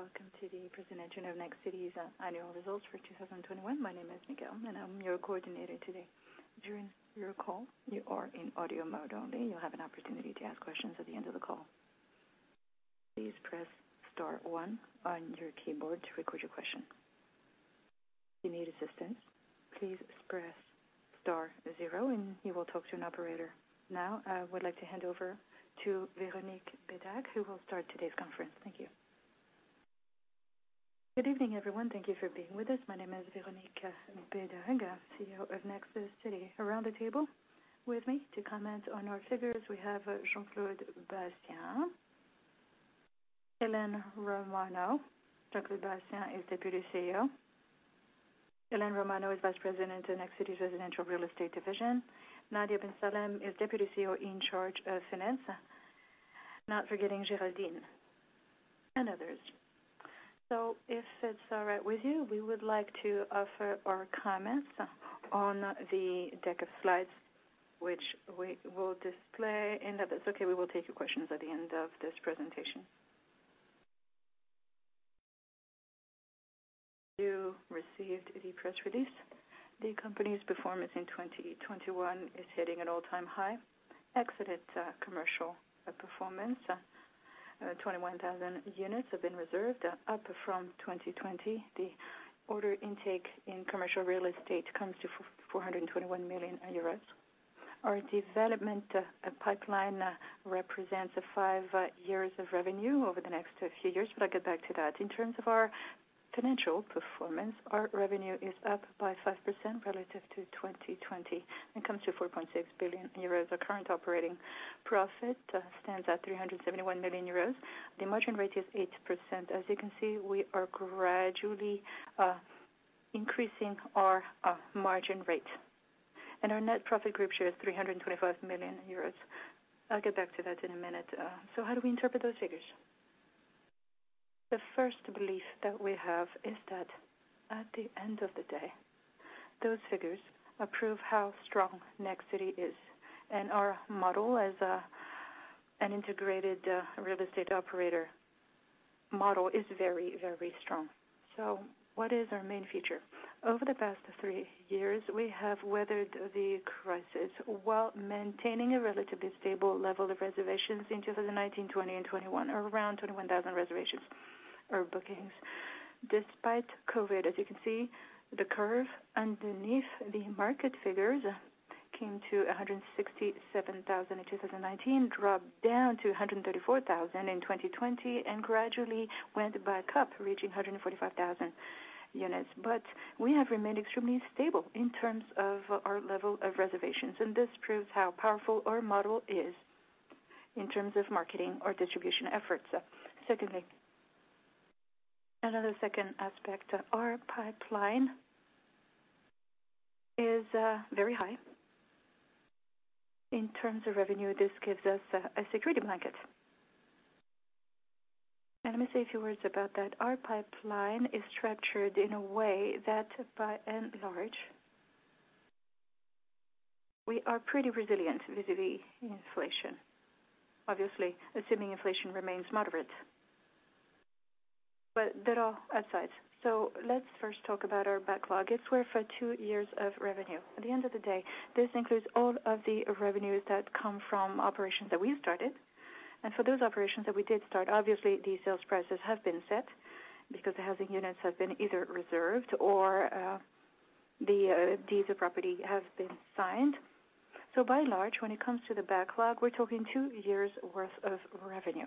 Welcome to the presentation of Nexity's annual results for 2021. My name is Nicole, and I'm your coordinator today. During your call, you are in audio mode only. You'll have an opportunity to ask questions at the end of the call. Please press star one on your keyboard to record your question. If you need assistance, please press star zero and you will talk to an operator. Now, I would like to hand over to Véronique Bédague, who will start today's conference. Thank you. Good evening, everyone. Thank you for being with us. My name is Véronique Bédague, CEO of Nexity. Around the table with me to comment on our figures, we have Jean-Claude Bassien, Hélène Romano. Jean-Claude Bassien is Deputy CEO. Hélène Romano is Vice President of Nexity's Residential Real Estate division. Nadia Ben Salem-Nicolas is Deputy CEO in charge of finance. Not forgetting Géraldine and others. If it's all right with you, we would like to offer our comments on the deck of slides, which we will display. If it's okay, we will take your questions at the end of this presentation. You received the press release. The company's performance in 2021 is hitting an all-time high. Excellent commercial performance. 21,000 units have been reserved up from 2020. The order intake in commercial real estate comes to 421 million euros. Our development pipeline represents five years of revenue over the next few years, but I'll get back to that. In terms of our financial performance, our revenue is up by 5% relative to 2020 and comes to 4.6 billion euros. Our current operating profit stands at 371 million euros. The margin rate is 8%. As you can see, we are gradually increasing our margin rate. Our net profit group share is 325 million euros. I'll get back to that in a minute. How do we interpret those figures? The first belief that we have is that at the end of the day, those figures prove how strong Nexity is. Our model as an integrated real estate operator model is very, very strong. What is our main feature? Over the past three years, we have weathered the crisis while maintaining a relatively stable level of reservations in 2019, 2020, and 2021, around 21,000 reservations or bookings. Despite COVID, as you can see, the curve underneath the market figures came to 167,000 in 2019, dropped down to 134,000 in 2020, and gradually went back up, reaching 145,000 units. We have remained extremely stable in terms of our level of reservations, and this proves how powerful our model is in terms of marketing our distribution efforts. Secondly, another second aspect, our pipeline is very high. In terms of revenue, this gives us a security blanket. Let me say a few words about that. Our pipeline is structured in a way that by and large, we are pretty resilient vis-à-vis inflation, obviously, assuming inflation remains moderate. There are upsides. Let's first talk about our backlog. It's worth four years of revenue. At the end of the day, this includes all of the revenues that come from operations that we started. For those operations that we did start, obviously these sales prices have been set because the housing units have been either reserved or the deeds of property have been signed. By and large, when it comes to the backlog, we're talking two years worth of revenue.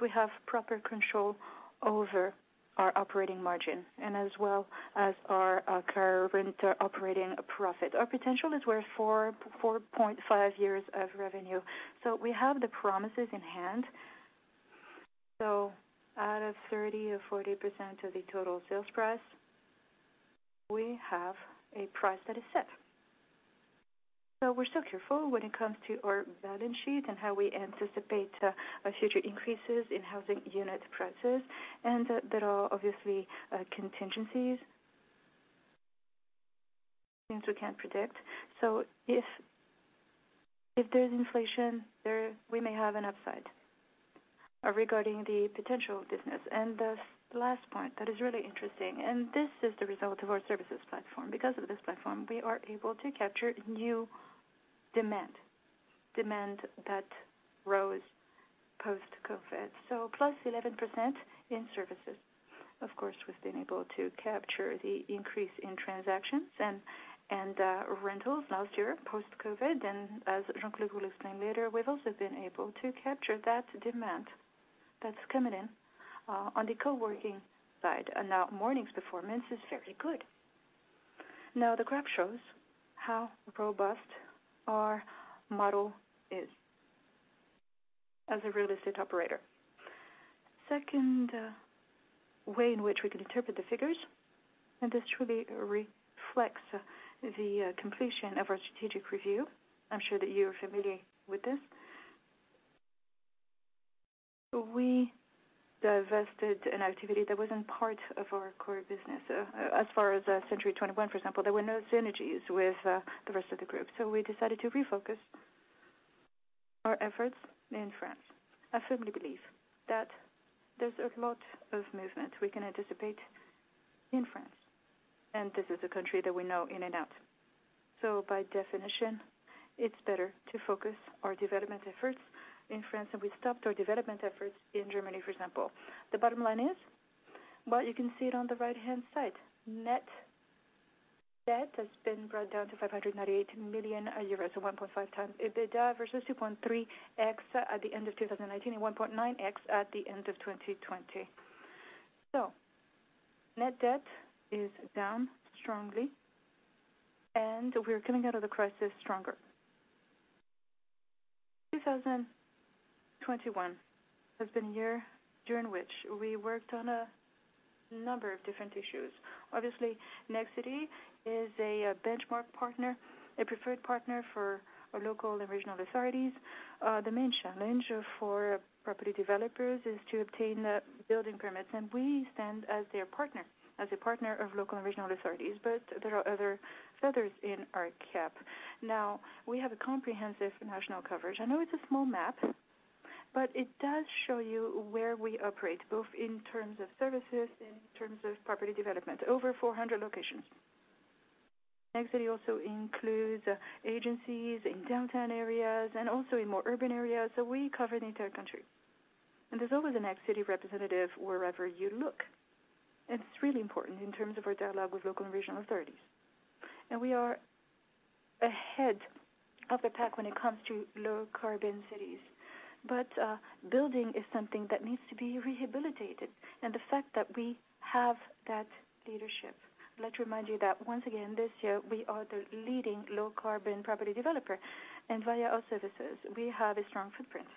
We have proper control over our operating margin and as well as our current operating profit. Our potential is worth 4-4.5 years of revenue. We have the promises in hand. Out of 30% or 40% of the total sales price, we have a price that is set. We're still careful when it comes to our balance sheet and how we anticipate future increases in housing unit prices. There are obviously, contingencies, things we can't predict. If there's inflation, we may have an upside, regarding the potential business. The last point that is really interesting, and this is the result of our services platform. Because of this platform, we are able to capture new demand that rose post-COVID. +11% in services, of course, we've been able to capture the increase in transactions and, rentals last year post-COVID. As Jean-Claude will explain later, we've also been able to capture that demand that's coming in, on the coworking side. Now Morning's performance is very good. Now, the graph shows how robust our model is as a real estate operator. Second, way in which we can interpret the figures, and this truly reflects the, completion of our strategic review. I'm sure that you're familiar with this. We divested an activity that wasn't part of our core business. As far as CENTURY 21, for example, there were no synergies with the rest of the group, so we decided to refocus our efforts in France. I firmly believe that there's a lot of movement we can anticipate in France, and this is a country that we know in and out. By definition, it's better to focus our development efforts in France, and we stopped our development efforts in Germany, for example. The bottom line is, well, you can see it on the right-hand side. Net debt has been brought down to 598 million euros, so 1.5x EBITDA versus 2.3x at the end of 2019, and 1.9x at the end of 2020. Net debt is down strongly, and we are coming out of the crisis stronger. 2021 has been a year during which we worked on a number of different issues. Obviously, Nexity is a benchmark partner, a preferred partner for our local and regional authorities. The main challenge for property developers is to obtain building permits, and we stand as their partner, as a partner of local and regional authorities. But there are other feathers in our cap. Now, we have a comprehensive national coverage. I know it's a small map, but it does show you where we operate, both in terms of services, in terms of property development, over 400 locations. Nexity also includes agencies in downtown areas and also in more urban areas. We cover the entire country. There's always a Nexity representative wherever you look. It's really important in terms of our dialogue with local and regional authorities. We are ahead of the pack when it comes to low carbon cities. Building is something that needs to be rehabilitated. The fact that we have that leadership, let's remind you that once again this year, we are the leading low carbon property developer. Via our services, we have a strong footprint.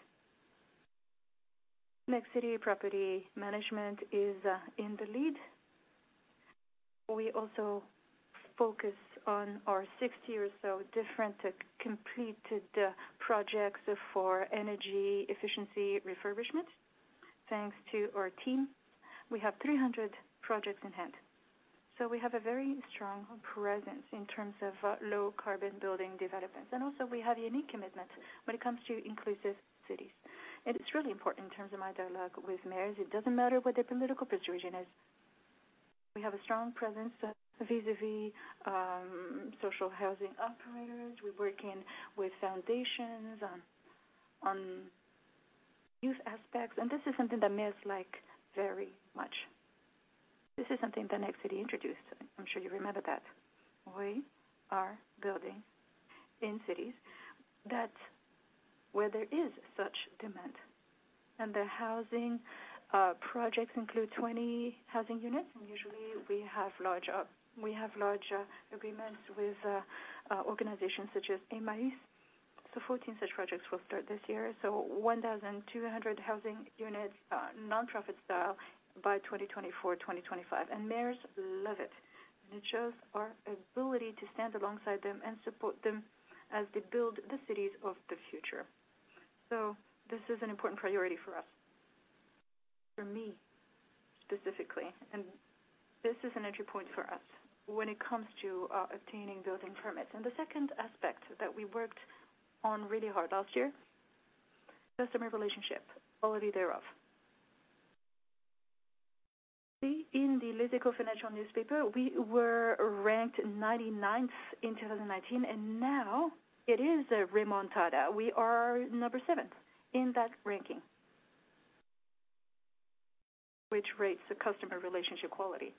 Nexity Property Management is in the lead. We also focus on our 60 or so different completed projects for energy efficiency refurbishment. Thanks to our team, we have 300 projects in hand. We have a very strong presence in terms of low carbon building developments. We also have a unique commitment when it comes to inclusive cities. It's really important in terms of my dialogue with mayors. It doesn't matter what their political persuasion is. We have a strong presence vis-à-vis social housing operators. We're working with foundations on youth aspects, and this is something that mayors like very much. This is something that Nexity introduced. I'm sure you remember that. We are building in cities where there is such demand. The housing projects include 20 housing units, and usually we have large agreements with organizations such as Emmaüs. Fourteen such projects will start this year, so 1,200 housing units, nonprofit style by 2024, 2025. Mayors love it. It shows our ability to stand alongside them and support them as they build the cities of the future. This is an important priority for us, for me specifically, and this is an entry point for us when it comes to obtaining building permits. The second aspect that we worked on really hard last year, customer relationship quality thereof. See, in the Les Echos financial newspaper, we were ranked 99th in 2019, and now it is a remontada. We are number 7th in that ranking, which rates the customer relationship quality.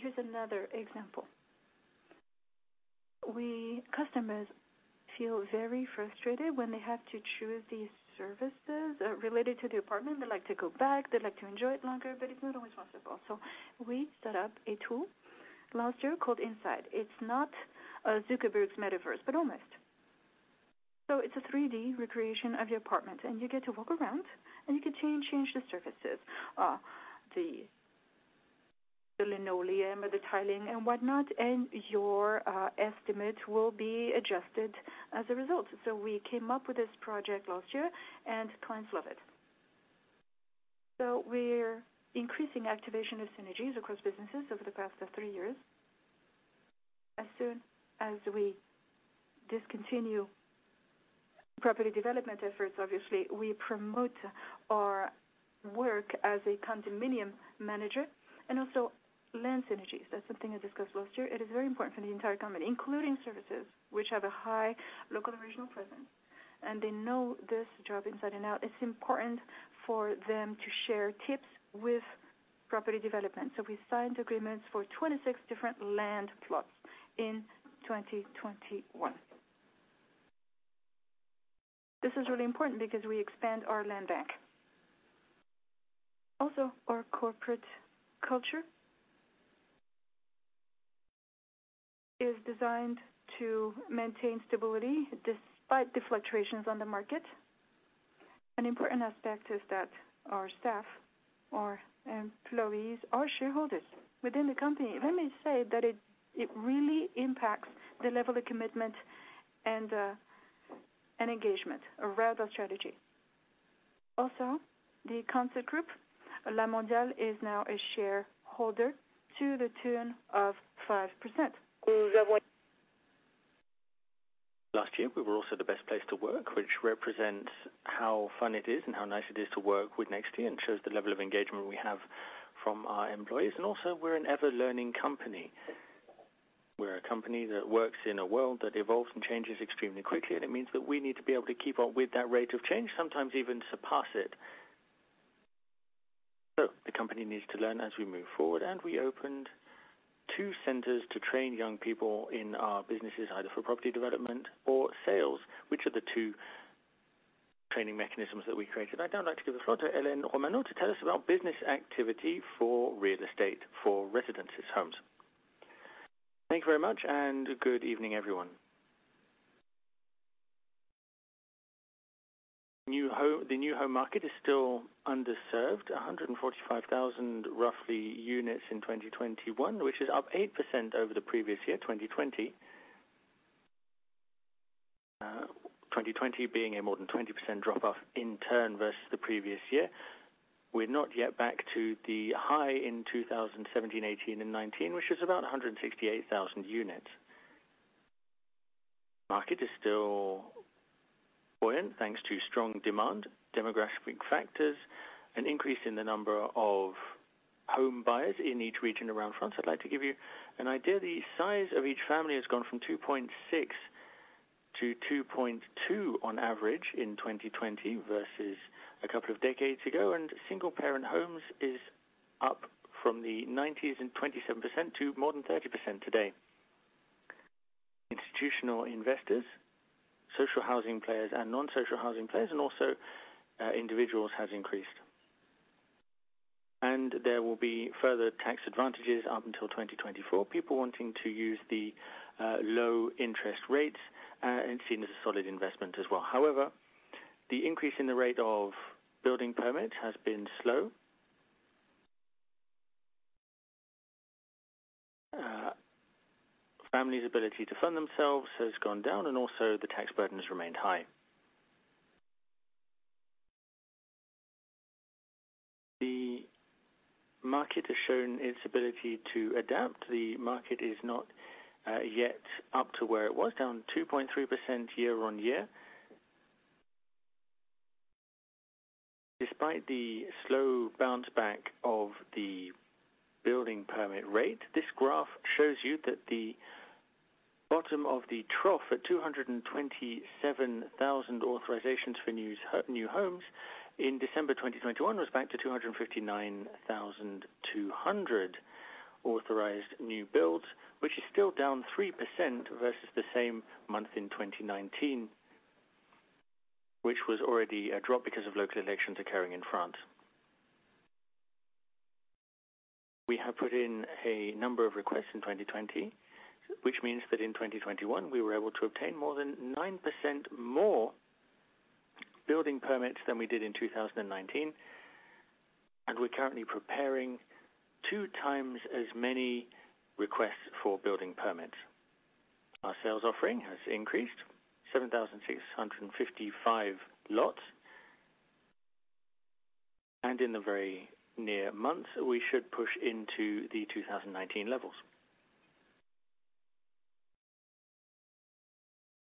Here's another example. Customers feel very frustrated when they have to choose these services related to the apartment. They like to go back, they like to enjoy it longer, but it's not always possible. We set up a tool last year called Inside. It's not Zuckerberg's Metaverse, but almost. It's a 3-D recreation of the apartment, and you get to walk around, and you can change the surfaces, the linoleum or the tiling and whatnot, and your estimate will be adjusted as a result. We came up with this project last year, and clients love it. We're increasing activation of synergies across businesses over the past three years. As soon as we discontinue property development efforts, obviously, we promote our work as a condominium manager and also land synergies. That's something I discussed last year. It is very important for the entire company, including services, which have a high local and regional presence, and they know this job inside and out. It's important for them to share tips with property development. We signed agreements for 26 different land plots in 2021. This is really important because we expand our land bank. Also, our corporate culture is designed to maintain stability despite the fluctuations on the market. An important aspect is that our staff, our employees are shareholders within the company. Let me say that it really impacts the level of commitment and engagement around our strategy. Also, AG2R La Mondiale is now a shareholder to the tune of 5%. Last year, we were also the best place to work, which represents how fun it is and how nice it is to work with Nexity and shows the level of engagement we have from our employees. Also we're an ever-learning company. We're a company that works in a world that evolves and changes extremely quickly, and it means that we need to be able to keep up with that rate of change, sometimes even surpass it. The company needs to learn as we move forward, and we opened two centers to train young people in our businesses, either for property development or sales, which are the two training mechanisms that we created. I'd now like to give the floor to Hélène Romano to tell us about business activity for real estate, for residential homes. Thank you very much, and good evening, everyone. The new home market is still underserved. 145,000 roughly units in 2021, which is up 8% over the previous year, 2020. 2020 being a more than 20% drop-off in turn versus the previous year. We're not yet back to the high in 2017, 18 and 19, which is about 168,000 units. Market is still buoyant thanks to strong demand, demographic factors, an increase in the number of home buyers in each region around France. I'd like to give you an idea. The size of each family has gone from 2.6 to 2.2 on average in 2020 versus a couple of decades ago, and single-parent homes is up from the 1990s and 27% to more than 30% today. Institutional investors, social housing players and non-social housing players, and also individuals has increased. There will be further tax advantages up until 2024, people wanting to use the low interest rates and seen as a solid investment as well. However, the increase in the rate of building permits has been slow. Family's ability to fund themselves has gone down, and also the tax burden has remained high. The market has shown its ability to adapt. The market is not yet up to where it was, down 2.3% year-on-year. Despite the slow bounce back of the building permit rate, this graph shows you that the bottom of the trough at 227,000 authorizations for new homes in December 2021 was back to 259,200 authorized new builds, which is still down 3% versus the same month in 2019, which was already a drop because of local elections occurring in France. We have put in a number of requests in 2020, which means that in 2021 we were able to obtain more than 9% more building permits than we did in 2019, and we're currently preparing 2x as many requests for building permits. Our sales offering has increased 7,655 lots. In the very near months, we should push into the 2019 levels.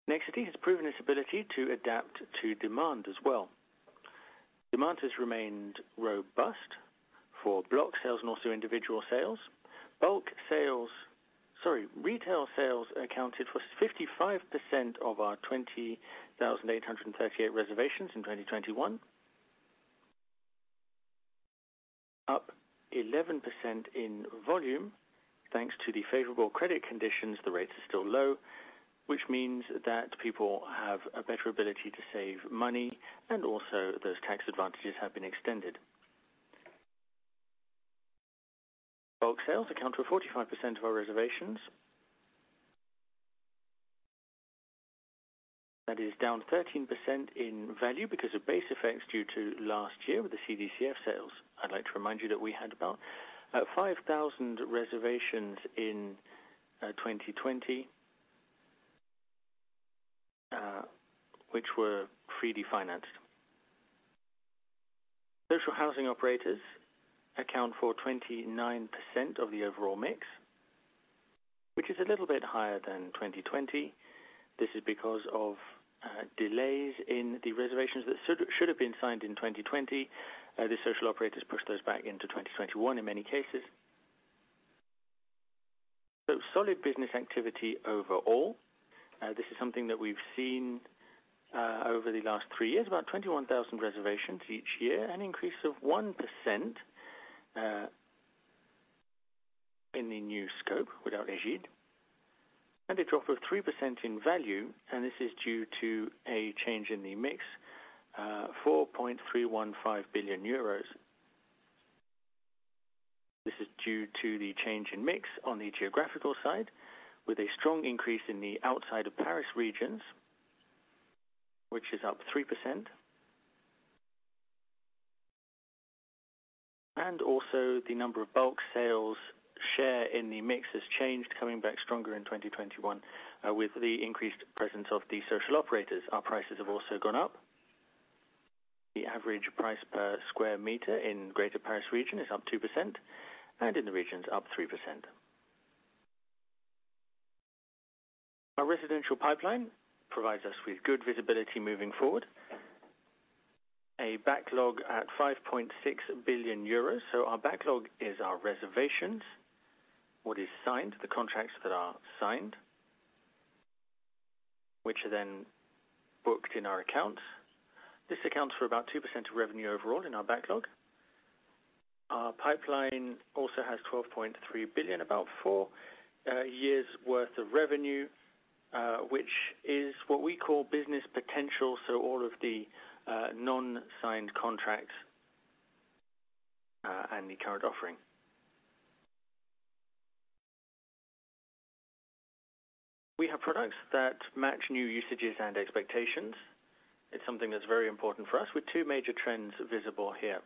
Nexity has proven its ability to adapt to demand as well. Demand has remained robust for block sales and also individual sales. Retail sales accounted for 55% of our 20,838 reservations in 2021. Up 11% in volume. Thanks to the favorable credit conditions, the rates are still low, which means that people have a better ability to save money, and also those tax advantages have been extended. Bulk sales account for 45% of our reservations. That is down 13% in value because of base effects due to last year with the CDC Habitat sales. I'd like to remind you that we had about 5,000 reservations in 2020, which were freely financed. Social housing operators account for 29% of the overall mix, which is a little bit higher than 2020. This is because of delays in the reservations that should have been signed in 2020. The social operators pushed those back into 2021 in many cases. Solid business activity overall. This is something that we've seen over the last three years, about 21,000 reservations each year, an increase of 1% in the new scope without Ægide, and a drop of 3% in value. This is due to a change in the mix, 4.315 billion euros. This is due to the change in mix on the geographical side with a strong increase in the outside of Paris regions, which is up 3%. The number of bulk sales share in the mix has changed, coming back stronger in 2021. With the increased presence of the social operators, our prices have also gone up. The average price per sq m in Greater Paris region is up 2%, and in the regions up 3%. Our residential pipeline provides us with good visibility moving forward. A backlog at 5.6 billion euros. Our backlog is our reservations. What is signed, the contracts that are signed, which are then booked in our accounts. This accounts for about 2% of revenue overall in our backlog. Our pipeline also has 12.3 billion, about four years worth of revenue, which is what we call business potential, so all of the non-signed contracts and the current offering. We have products that match new usages and expectations. It's something that's very important for us with two major trends visible here.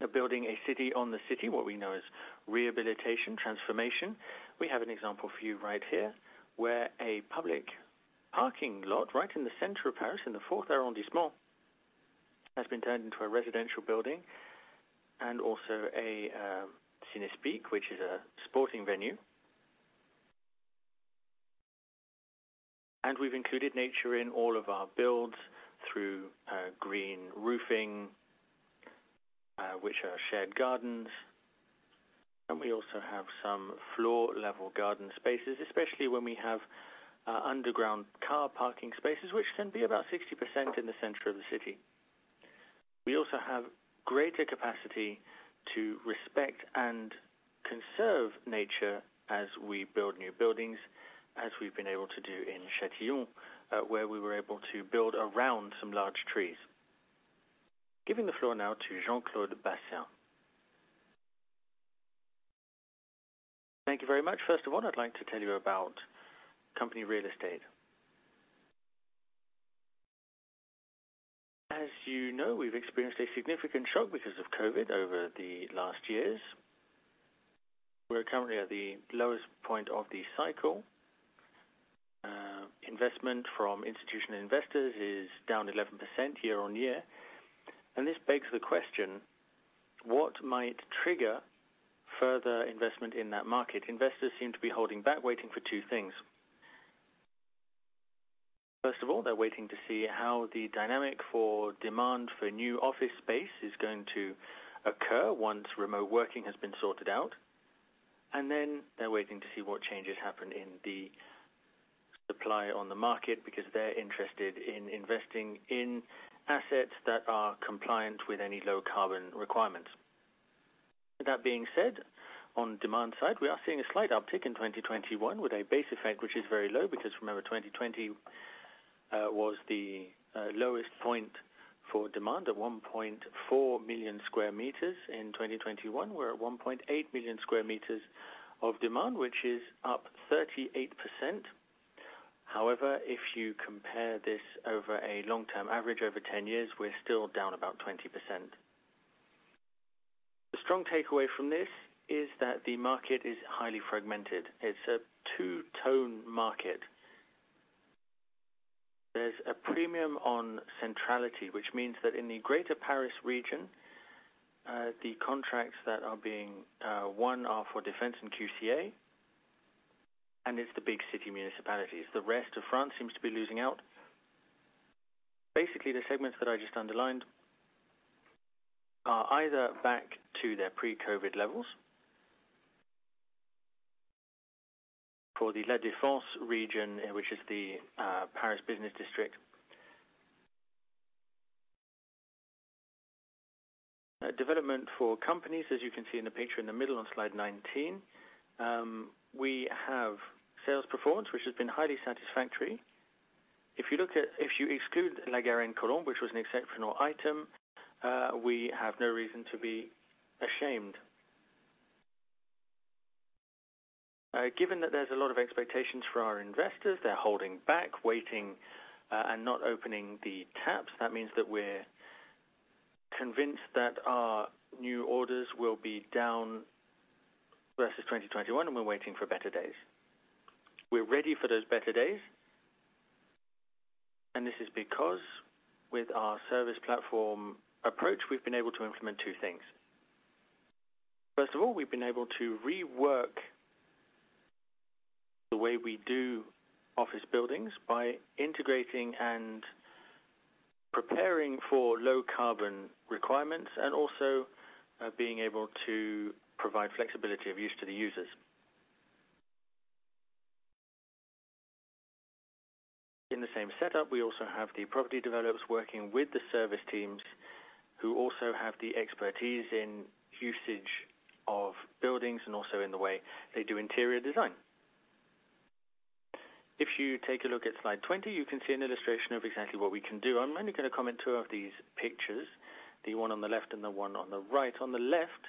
We're building a city on the city, what we know as rehabilitation transformation. We have an example for you right here, where a public parking lot right in the center of Paris, in the fourth arrondissement, has been turned into a residential building and also a Cinéspire, which is a sporting venue. We've included nature in all of our builds through green roofing, which are shared gardens. We also have some floor level garden spaces, especially when we have underground car parking spaces, which can be about 60% in the center of the city. We also have greater capacity to respect and conserve nature as we build new buildings, as we've been able to do in Châtillon, where we were able to build around some large trees. Giving the floor now to Jean-Claude Bassien. Thank you very much. First of all, I'd like to tell you about commercial real estate. As you know, we've experienced a significant shock because of COVID over the last years. We're currently at the lowest point of the cycle. Investment from institutional investors is down 11% year-on-year. This begs the question, what might trigger further investment in that market? Investors seem to be holding back, waiting for two things. First of all, they're waiting to see how the dynamic for demand for new office space is going to occur once remote working has been sorted out. Then they're waiting to see what changes happen in the supply on the market because they're interested in investing in assets that are compliant with any low carbon requirements. That being said, on demand side, we are seeing a slight uptick in 2021 with a base effect which is very low because remember, 2020 was the lowest point for demand at 1.4 million sq m. In 2021, we're at 1.8 million sq m of demand, which is up 38%. However, if you compare this over a long-term average over 10 years, we're still down about 20%. The strong takeaway from this is that the market is highly fragmented. It's a two-tier market. There's a premium on centrality, which means that in the Greater Paris region, the contracts that are being won are for La Défense and QCA, and it's the big city municipalities. The rest of France seems to be losing out. Basically, the segments that I just underlined are either back to their pre-COVID levels. For the La Défense region, which is the Paris business district. Development for companies, as you can see in the picture in the middle on slide 19, we have sales performance, which has been highly satisfactory. If you exclude La Garenne-Colombes, which was an exceptional item, we have no reason to be ashamed. Given that there's a lot of expectations for our investors, they're holding back, waiting, and not opening the taps. That means that we're convinced that our new orders will be down versus 2021, and we're waiting for better days. We're ready for those better days. This is because with our service platform approach, we've been able to implement two things. First of all, we've been able to rework the way we do office buildings by integrating and preparing for low carbon requirements and also, being able to provide flexibility of use to the users. In the same setup, we also have the property developers working with the service teams who also have the expertise in usage of buildings and also in the way they do interior design. If you take a look at slide 20, you can see an illustration of exactly what we can do. I'm only gonna comment two of these pictures, the one on the left and the one on the right. On the left,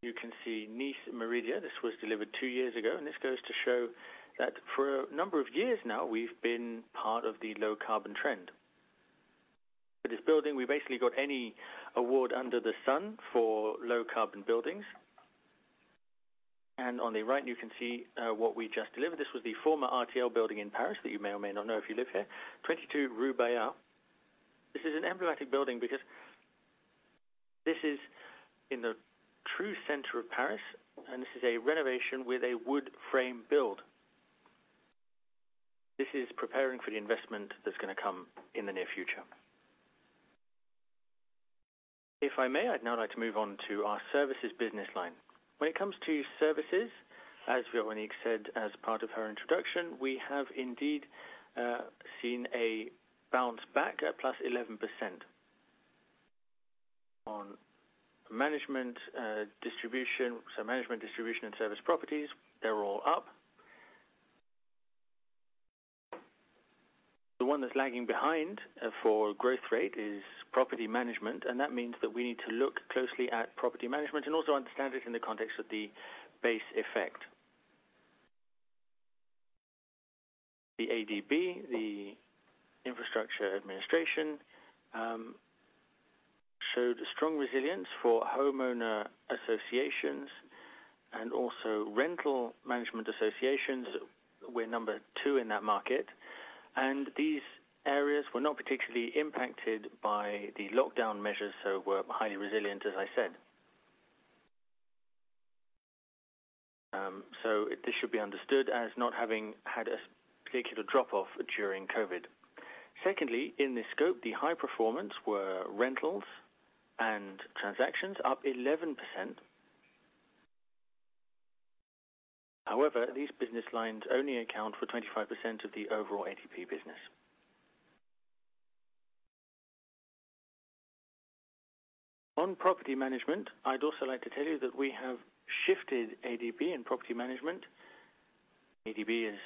you can see Nice Meridia. This was delivered two years ago, and this goes to show that for a number of years now, we've been part of the low carbon trend. For this building, we basically got any award under the sun for low carbon buildings. On the right, you can see what we just delivered. This was the former RTL building in Paris that you may or may not know if you live here. 22 Rue Bayard. This is an emblematic building because this is in the true center of Paris, and this is a renovation with a wood frame build. This is preparing for the investment that's gonna come in the near future. If I may, I'd now like to move on to our services business line. When it comes to services, as Véronique said as part of her introduction, we have indeed seen a bounce back at +11%. On management, distribution, and service properties, they're all up. The one that's lagging behind for growth rate is property management, and that means that we need to look closely at property management and also understand it in the context of the base effect. The ADB, Administration de Biens, showed a strong resilience for homeowner associations and also rental management associations. We're number two in that market. These areas were not particularly impacted by the lockdown measures, so were highly resilient, as I said. This should be understood as not having had a particular drop-off during COVID. Secondly, in this scope, the high performance were rentals and transactions up 11%. However, these business lines only account for 25% of the overall ADB business. On property management, I'd also like to tell you that we have shifted ADB in property management. ADB is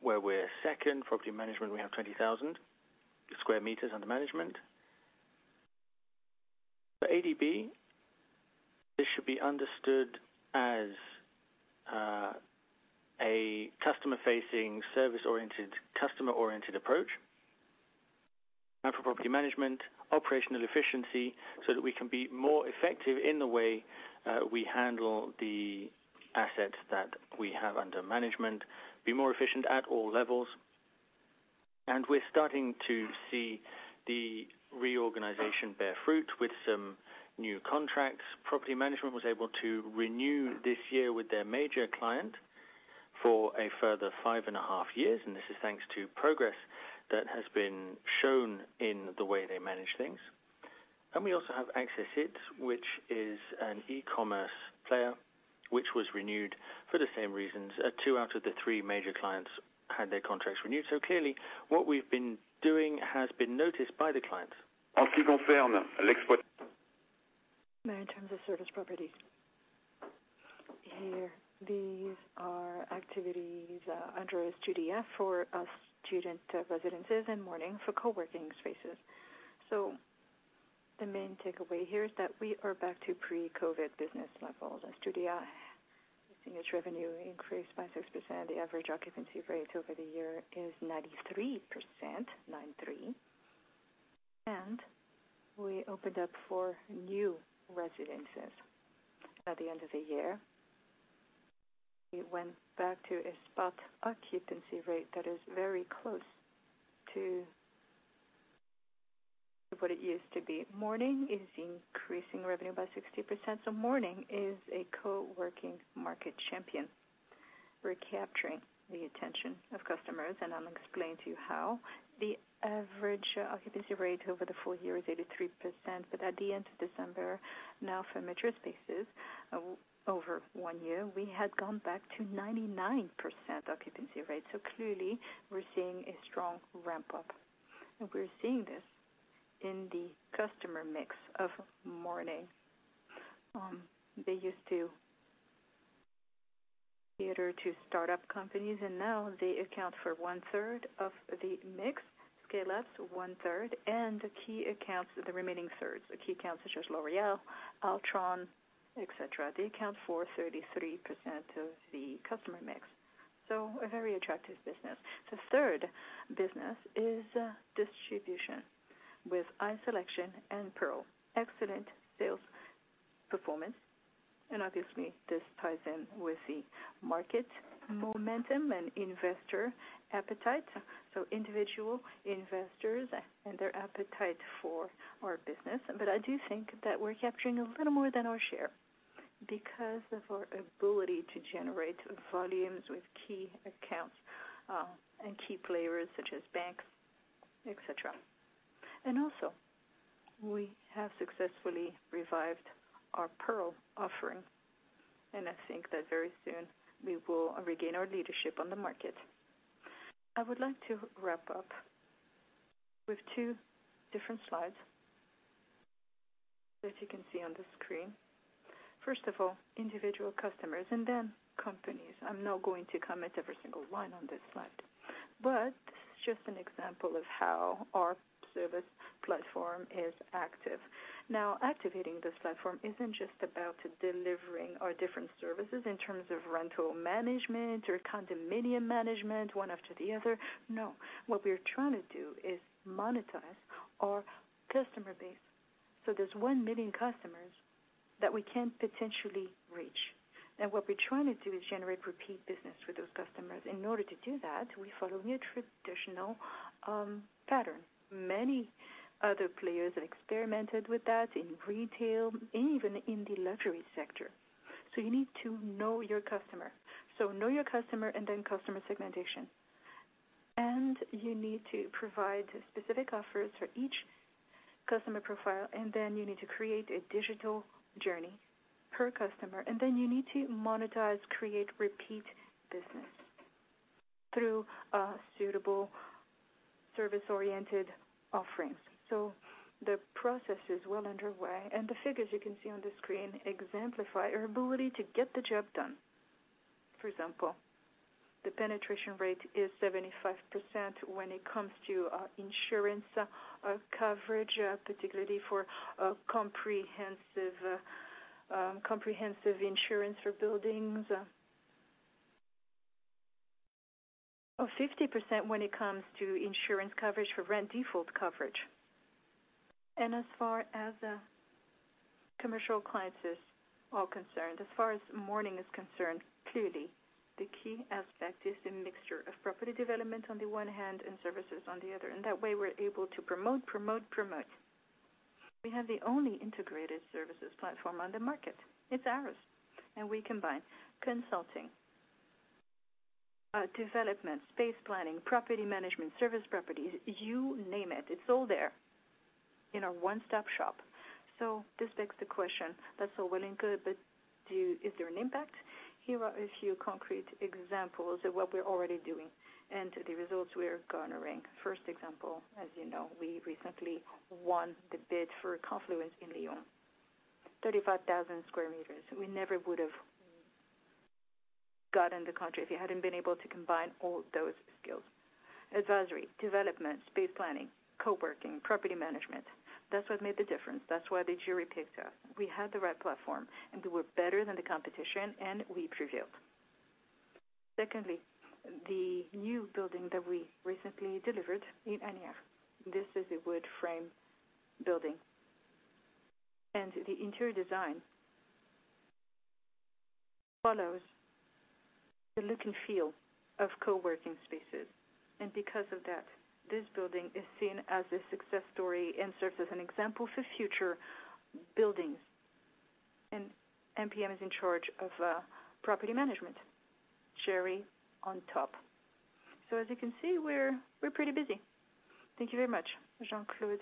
where we're second. Property management, we have 20,000 sq m under management. The ADB, this should be understood as a customer-facing, service-oriented, customer-oriented approach. For property management, operational efficiency, so that we can be more effective in the way we handle the assets that we have under management, be more efficient at all levels. We're starting to see the reorganization bear fruit with some new contracts. Property management was able to renew this year with their major client for a further 5.5 years, and this is thanks to progress that has been shown in the way they manage things. We also have Accessite, which is an e-commerce player, which was renewed for the same reasons. Two out of the three major clients had their contracts renewed. Clearly, what we've been doing has been noticed by the clients. Now in terms of service properties. Here, these are activities under Studéa for student residences and Morning for coworking spaces. The main takeaway here is that we are back to pre-COVID business levels. At Studéa, we're seeing its revenue increased by 6%. The average occupancy rate over the year is 93%, nine-three. We opened up four new residences at the end of the year. It went back to a spot occupancy rate that is very close to what it used to be. Morning is increasing revenue by 60%. Morning is a coworking market champion. We're capturing the attention of customers, and I'll explain to you how. The average occupancy rate over the full year is 83%. At the end of December, now for mature spaces, over one year, we had gone back to 99% occupancy rate. Clearly, we're seeing a strong ramp-up. We're seeing this in the customer mix of Morning. They used to cater to start-up companies, and now they account for 1/3 of the mix, scale ups 1/3, and key accounts the remaining third. The key accounts such as L'Oréal, Altran, et cetera account for 33% of the customer mix. A very attractive business. The third business is distribution with iSelection and PERL. Excellent sales performance. Obviously, this ties in with the market momentum and investor appetite, individual investors and their appetite for our business. I do think that we're capturing a little more than our share because of our ability to generate volumes with key accounts and key players such as banks, et cetera. Also, we have successfully revived our PERL offering, and I think that very soon we will regain our leadership on the market. I would like to wrap up with two different slides that you can see on the screen. First of all, individual customers and then companies. I'm not going to comment every single line on this slide, but just an example of how our service platform is active. Now, activating this platform isn't just about delivering our different services in terms of rental management or condominium management, one after the other. No, what we are trying to do is monetize our customer base. There's 1 million customers that we can potentially reach. What we're trying to do is generate repeat business with those customers. In order to do that, we follow a traditional pattern. Many other players have experimented with that in retail and even in the luxury sector. You need to know your customer. Know your customer and then customer segmentation. You need to provide specific offers for each customer profile. You need to create a digital journey per customer. You need to monetize, create, repeat business through suitable service-oriented offerings. The process is well underway, and the figures you can see on the screen exemplify our ability to get the job done. For example, the penetration rate is 75% when it comes to insurance coverage, particularly for comprehensive insurance for buildings. 50% when it comes to insurance coverage for rent default coverage. As far as commercial clients is all concerned, as far as Morning is concerned, clearly the key aspect is the mixture of property development on the one hand and services on the other. That way, we're able to promote. We have the only integrated services platform on the market. It's ours, and we combine consulting, development, space planning, property management, service properties. You name it's all there in our one-stop-shop. This begs the question, that's all well and good, but is there an impact? Here are a few concrete examples of what we're already doing and the results we are garnering. First example, as you know, we recently won the bid for Confluence in Lyon. 35,000 sq m. We never would've gotten the contract if we hadn't been able to combine all those skills: advisory, development, space planning, co-working, property management. That's what made the difference. That's why the jury picked us. We had the right platform, and we were better than the competition, and we prevailed. Secondly, the new building that we recently delivered in Asnières, this is a wood-frame building, and the interior design follows the look and feel of co-working spaces. Because of that, this building is seen as a success story and serves as an example for future buildings. NPM is in charge of property management. Cherry on top. As you can see, we're pretty busy. Thank you very much. Jean-Claude.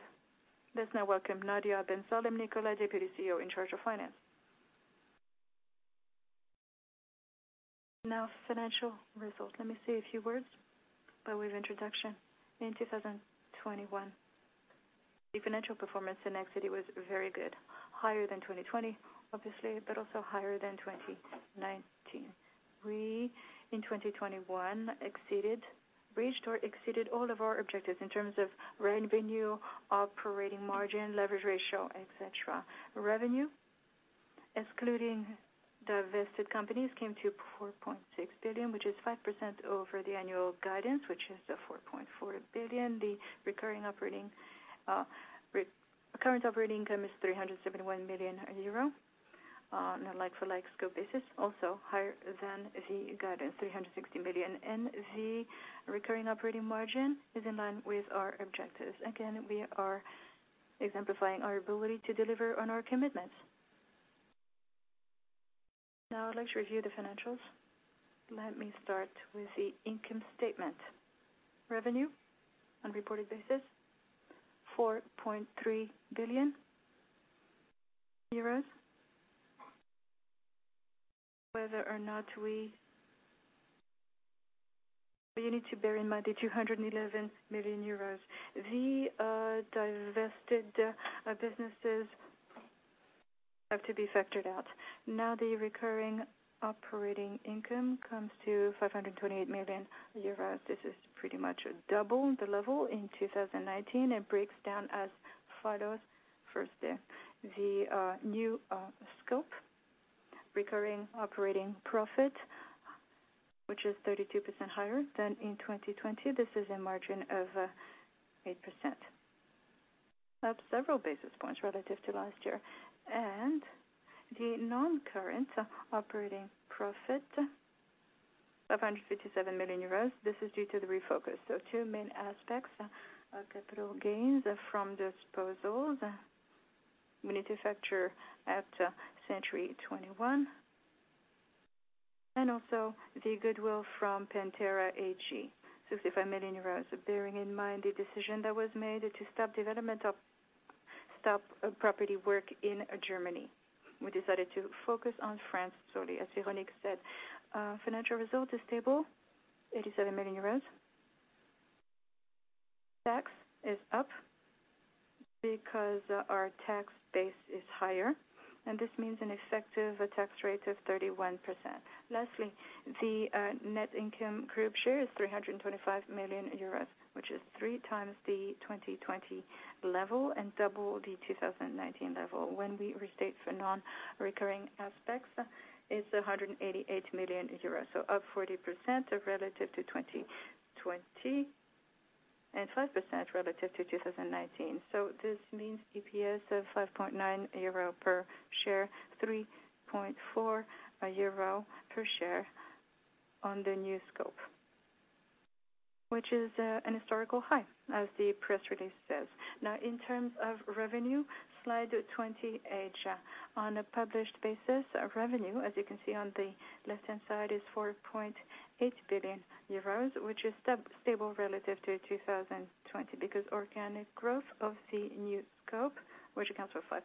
Let's now welcome Nadia Ben Salem-Nicolas, Deputy CEO in charge of finance. Now, financial results. Let me say a few words, by way of introduction. In 2021, the financial performance in Nexity was very good, higher than 2020, obviously, but also higher than 2019. We, in 2021, exceeded, reached or exceeded all of our objectives in terms of revenue, operating margin, leverage ratio, et cetera. Revenue, excluding divested companies, came to 4.6 billion, which is 5% over the annual guidance, which is the 4.4 billion. The recurring operating income is 371 million euro on a like-for-like scope basis, also higher than the guidance, 360 million. The recurring operating margin is in line with our objectives. Again, we are exemplifying our ability to deliver on our commitments. Now I'd like to review the financials. Let me start with the income statement. Revenue on reported basis, EUR 4.3 billion. Whether or not we... You need to bear in mind the 211 million euros. The divested businesses have to be factored out. Now, the recurring operating income comes to 528 million euros. This is pretty much double the level in 2019. It breaks down as follows. First, the new scope recurring operating profit, which is 32% higher than in 2020. This is a margin of 8%. Up several basis points relative to last year. The non-current operating profit of 157 million euros, this is due to the refocus. Two main aspects, capital gains from disposals. We need to factor in CENTURY 21 and also the goodwill from Pantera AG, EUR 65 million. Bearing in mind the decision that was made to stop property work in Germany. We decided to focus on France solely, as Véronique said. Financial result is stable, 87 million euros. Tax is up because our tax base is higher, and this means an effective tax rate of 31%. Lastly, the net income group share is 325 million euros, which is 3x the 2020 level and double the 2019 level. When we restate for non-recurring aspects, it's 188 million euros, so up 40% relative to 2020, and 5% relative to 2019. This means EPS of 5.9 euro per share, 3.4 euro per share on the new scope, which is an historical high, as the press release says. Now, in terms of revenue, slide 28. On a published basis, our revenue, as you can see on the left-hand side, is 4.8 billion euros, which is stable relative to 2020 because organic growth of the new scope, which accounts for 5%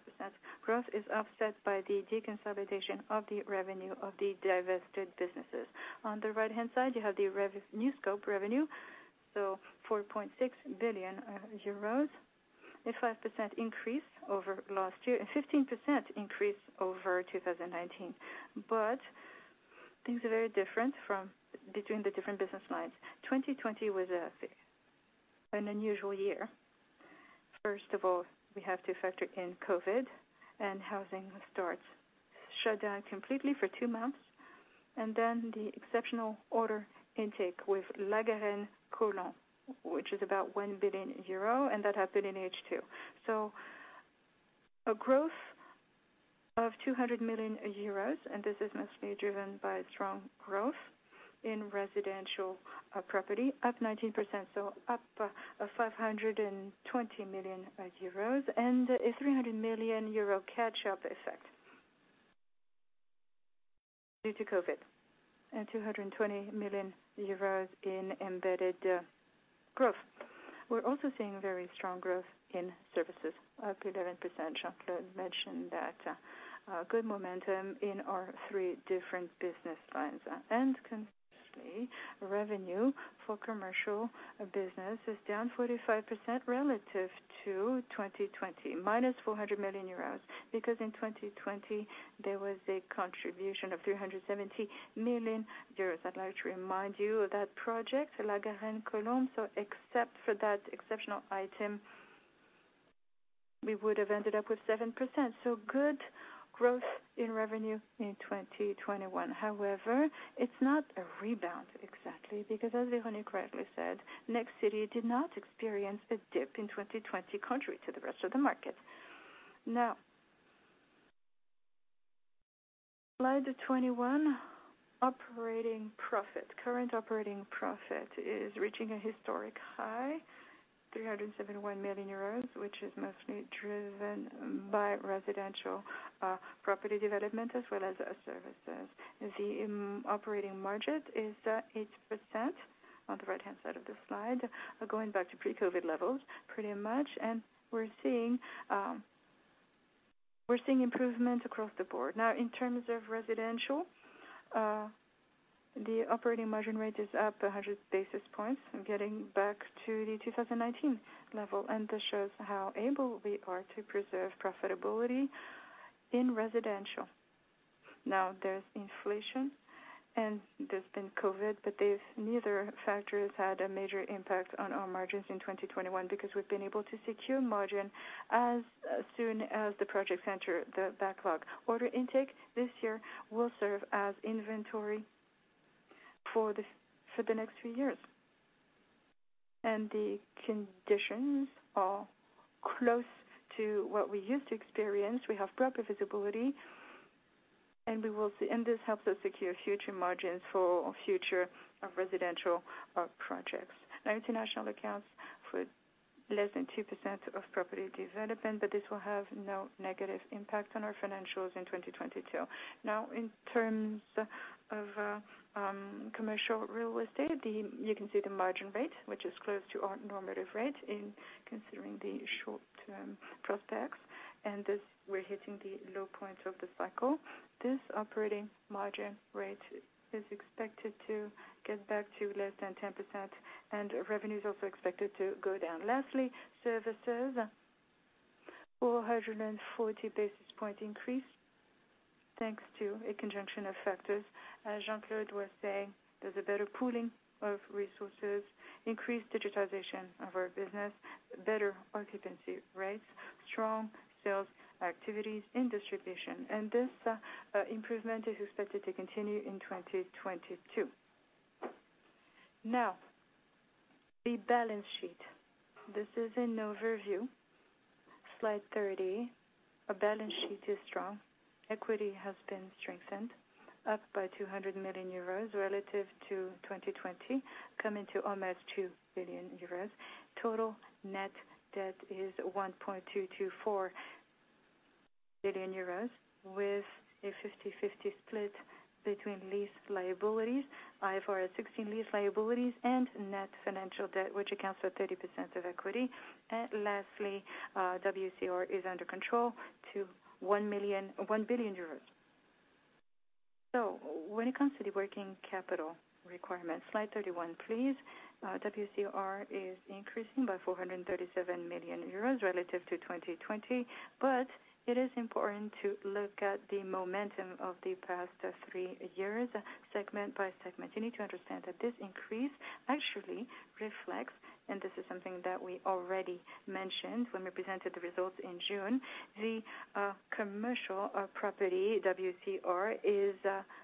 growth, is offset by the deconsolidation of the revenue of the divested businesses. On the right-hand side, you have the new scope revenue, so 4.6 billion euros, a 5% increase over last year, and 15% increase over 2019. Things are very different between the different business lines. 2020 was an unusual year. First of all, we have to factor in COVID, and housing starts shut down completely for two months. Then the exceptional order intake with La Garenne-Colombes, which is about 1 billion euro, and that happened in H2. A growth of 200 million euros, and this is mostly driven by strong growth in residential property, up 19%, so up 520 million euros and a 300 million euro catch-up effect due to COVID, and 220 million euros in embedded growth. We're also seeing very strong growth in services, up 11%. Jean-Claude mentioned that a good momentum in our three different business lines. Conversely, revenue for commercial business is down 45% relative to 2020, -400 million euros, because in 2020 there was a contribution of 370 million euros. I'd like to remind you of that project, La Garenne-Colombes. Except for that exceptional item, we would have ended up with 7%. Good growth in revenue in 2021. However, it's not a rebound exactly, because as Véronique rightly said, Nexity did not experience a dip in 2020, contrary to the rest of the market. Now, slide 21, operating profit. Current operating profit is reaching a historic high, 371 million euros, which is mostly driven by residential property development, as well as services. The operating margin is 8% on the right-hand side of the slide. Going back to pre-COVID levels pretty much. We're seeing improvement across the board. Now, in terms of residential, the operating margin rate is up 100 basis points. It's getting back to the 2019 level, and this shows how able we are to preserve profitability in residential. Now, there's inflation, and there's been COVID, but neither factors had a major impact on our margins in 2021 because we've been able to secure margin as soon as the projects enter the backlog. Order intake this year will serve as inventory for the next three years. The conditions are close to what we used to experience. We have proper visibility, and we will see. This helps us secure future margins for future residential projects. Now, international accounts for less than 2% of property development, but this will have no negative impact on our financials in 2022. Now, in terms of commercial real estate, you can see the margin rate, which is close to our normative rate in considering the short-term prospects. This, we're hitting the low points of the cycle. This operating margin rate is expected to get back to less than 10%, and revenue is also expected to go down. Services show a 440 basis point increase thanks to a conjunction of factors. As Jean-Claude Bassien was saying, there's a better pooling of resources, increased digitization of our business, better occupancy rates, strong sales activities in distribution. This improvement is expected to continue in 2022. Now, the balance sheet. This is an overview. Slide 30. Our balance sheet is strong. Equity has been strengthened, up by 200 million euros relative to 2020, coming to almost 2 billion euros. Total net debt is 1.224 billion euros, with a 50-50 split between lease liabilities, IFRS 16 lease liabilities and net financial debt, which accounts for 30% of equity. Lastly, WCR is under control at 1 billion euros. When it comes to the working capital requirements, slide 31, please. WCR is increasing by 437 million euros relative to 2020. It is important to look at the momentum of the past three years segment by segment. You need to understand that this increase actually reflects, and this is something that we already mentioned when we presented the results in June. The commercial property WCR is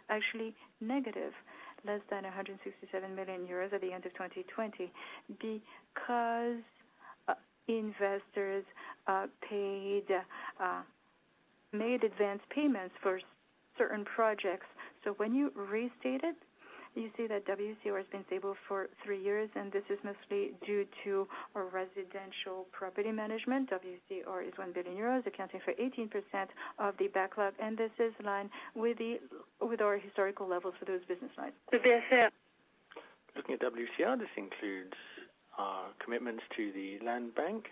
actually negative, less than 167 million euros at the end of 2020, because investors made advance payments for certain projects. When you restate it, you see that WCR has been stable for three years, and this is mostly due to our residential property management. WCR is 1 billion euros, accounting for 18% of the backlog, and this is in line with our historical levels for those business lines. Looking at WCR, this includes our commitments to the land bank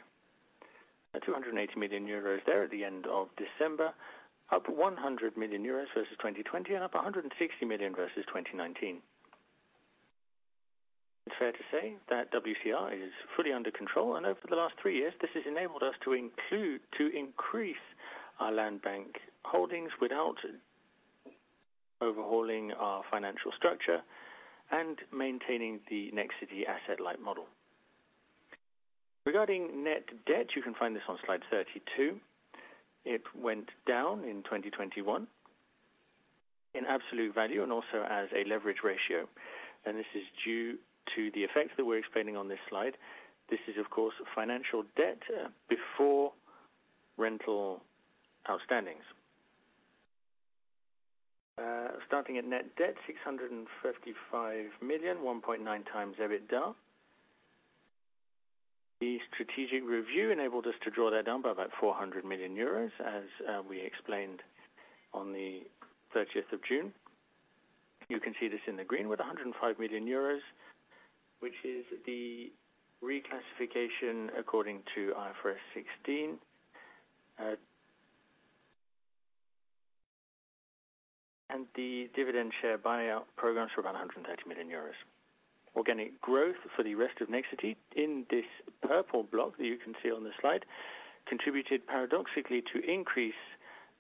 at 280 million euros there at the end of December, up 100 million euros versus 2020 and up 160 million versus 2019. It's fair to say that WCR is fully under control, and over the last three years, this has enabled us to increase our land bank holdings without overhauling our financial structure and maintaining the Nexity asset light model. Regarding net debt, you can find this on slide 32. It went down in 2021 in absolute value and also as a leverage ratio, and this is due to the effects that we're explaining on this slide. This is, of course, financial debt before rental outstandings. Starting at net debt, 655 million, 1.9x EBITDA. The strategic review enabled us to draw that down by about 400 million euros, as we explained on the 30th of June. You can see this in the green with 105 million euros, which is the reclassification according to IFRS 16. The dividend share buyout programs for about 130 million euros. Organic growth for the rest of Nexity in this purple block that you can see on the slide contributed paradoxically to increase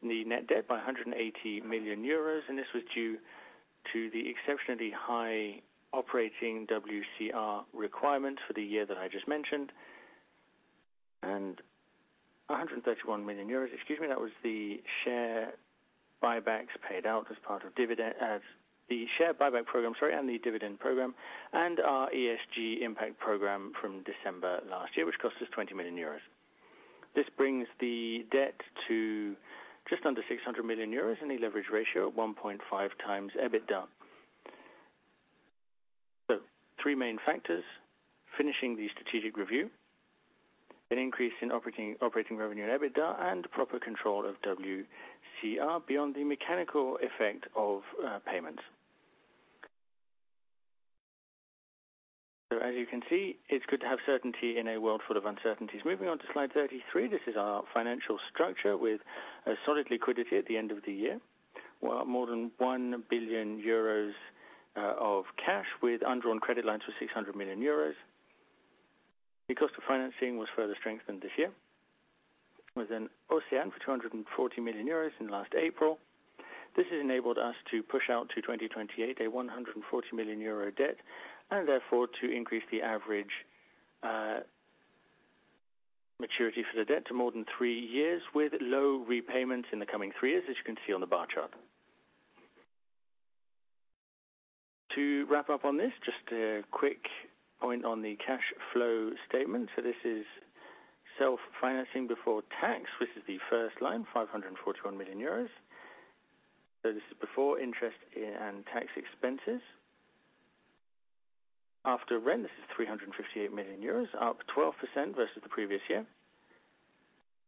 the net debt by 180 million euros, and this was due to the exceptionally high operating WCR requirement for the year that I just mentioned. 131 million euros, excuse me, that was the share buybacks paid out as part of dividend. The share buyback program, sorry, and the dividend program, and our ESG impact program from December last year, which cost us 20 million euros. This brings the debt to just under 600 million euros in a leverage ratio of 1.5x EBITDA. Three main factors, finishing the strategic review, an increase in operating revenue and EBITDA, and proper control of WCR beyond the mechanical effect of payments. As you can see, it's good to have certainty in a world full of uncertainties. Moving on to slide 33, this is our financial structure with a solid liquidity at the end of the year. Well, more than 1 billion euros of cash with undrawn credit lines for 600 million euros. The cost of financing was further strengthened this year with an OCEANE for 240 million euros in late April. This has enabled us to push out to 2028, a 140 million euro debt, and therefore to increase the average maturity for the debt to more than three years with low repayments in the coming three years, as you can see on the bar chart. To wrap up on this, just a quick point on the cash flow statement. This is self-financing before tax. This is the first line, 541 million euros. This is before interest and tax expenses. After rent, this is 358 million euros, up 12% versus the previous year.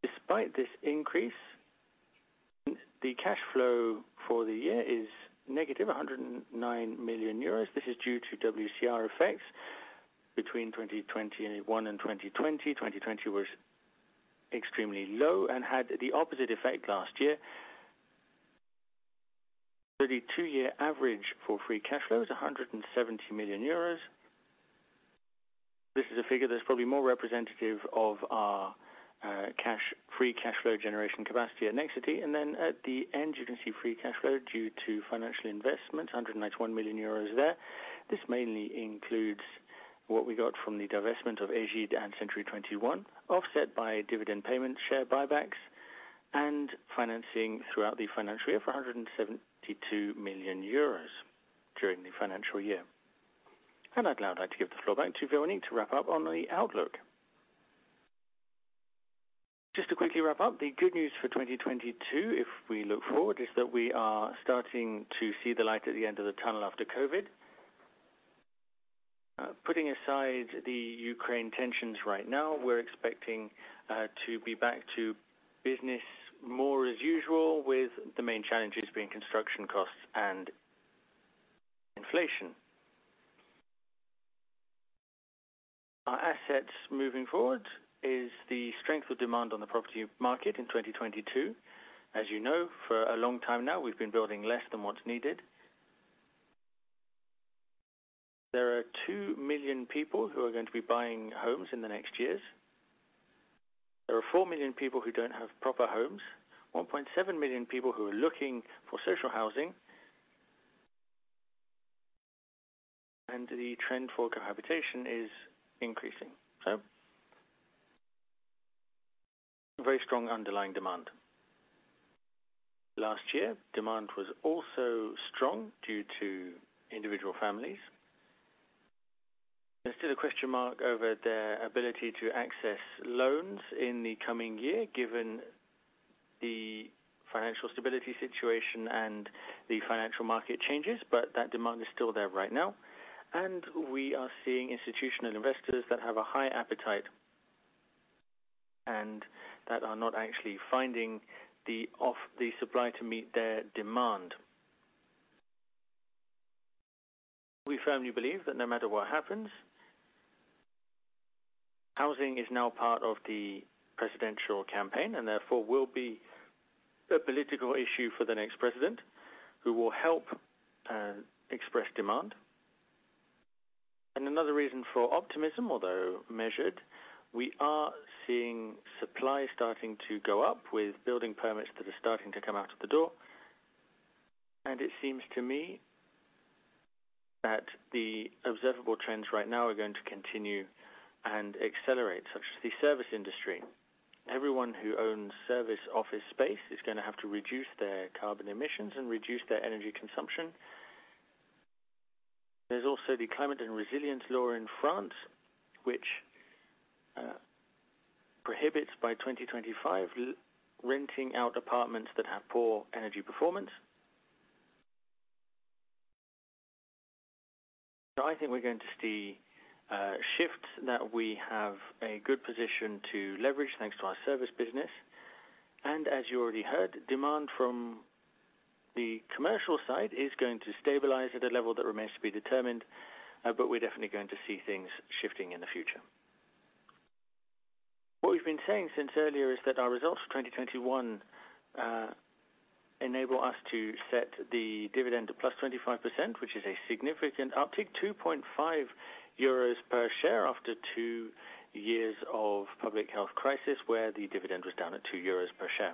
Despite this increase, the cash flow for the year is -109 million euros. This is due to WCR effects between 2021 and 2020. 2020 was extremely low and had the opposite effect last year. The two-year average for free cash flow is 170 million euros. This is a figure that's probably more representative of our cash free cash flow generation capacity at Nexity. At the end, you can see free cash flow due to financial investment, 191 million euros there. This mainly includes what we got from the divestment of Ægide and CENTURY 21, offset by dividend payments, share buybacks, and financing throughout the financial year for 172 million euros during the financial year. I'd now like to give the floor back to Véronique to wrap up on the outlook. Just to quickly wrap up, the good news for 2022, if we look forward, is that we are starting to see the light at the end of the tunnel after COVID. Putting aside the Ukraine tensions right now, we're expecting to be back to business more as usual, with the main challenges being construction costs and inflation. Assets moving forward is the strength of demand on the property market in 2022. As you know, for a long time now, we've been building less than what's needed. There are 2 million people who are going to be buying homes in the next years. There are 4 million people who don't have proper homes, 1.7 million people who are looking for social housing. The trend for cohabitation is increasing. Very strong underlying demand. Last year, demand was also strong due to individual families. There's still a question mark over their ability to access loans in the coming year, given the financial stability situation and the financial market changes, but that demand is still there right now. We are seeing institutional investors that have a high appetite and that are not actually finding the supply to meet their demand. We firmly believe that no matter what happens, housing is now part of the presidential campaign and therefore will be a political issue for the next president who will help express demand. Another reason for optimism, although measured, we are seeing supply starting to go up with building permits that are starting to come out of the door. It seems to me that the observable trends right now are going to continue and accelerate, such as the service industry. Everyone who owns service office space is gonna have to reduce their carbon emissions and reduce their energy consumption. There's also the Climate and Resilience Law in France, which prohibits by 2025 renting out apartments that have poor energy performance. I think we're going to see shifts that we have a good position to leverage thanks to our service business. As you already heard, demand from the commercial side is going to stabilize at a level that remains to be determined, but we're definitely going to see things shifting in the future. What we've been saying since earlier is that our results for 2021 enable us to set the dividend to +25%, which is a significant uptick, 2.5 euros per share after two years of public health crisis, where the dividend was down at 2 euros per share.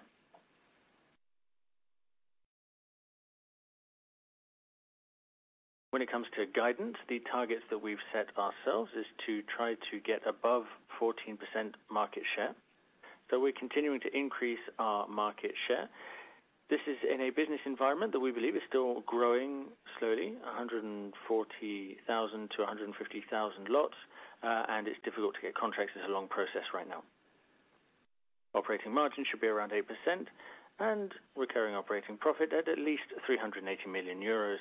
When it comes to guidance, the targets that we've set ourselves is to try to get above 14% market share. We're continuing to increase our market share. This is in a business environment that we believe is still growing slowly, 140,000 to 150,000 lots, and it's difficult to get contracts. It's a long process right now. Operating margin should be around 8% and recurring operating profit at least 380 million euros. Of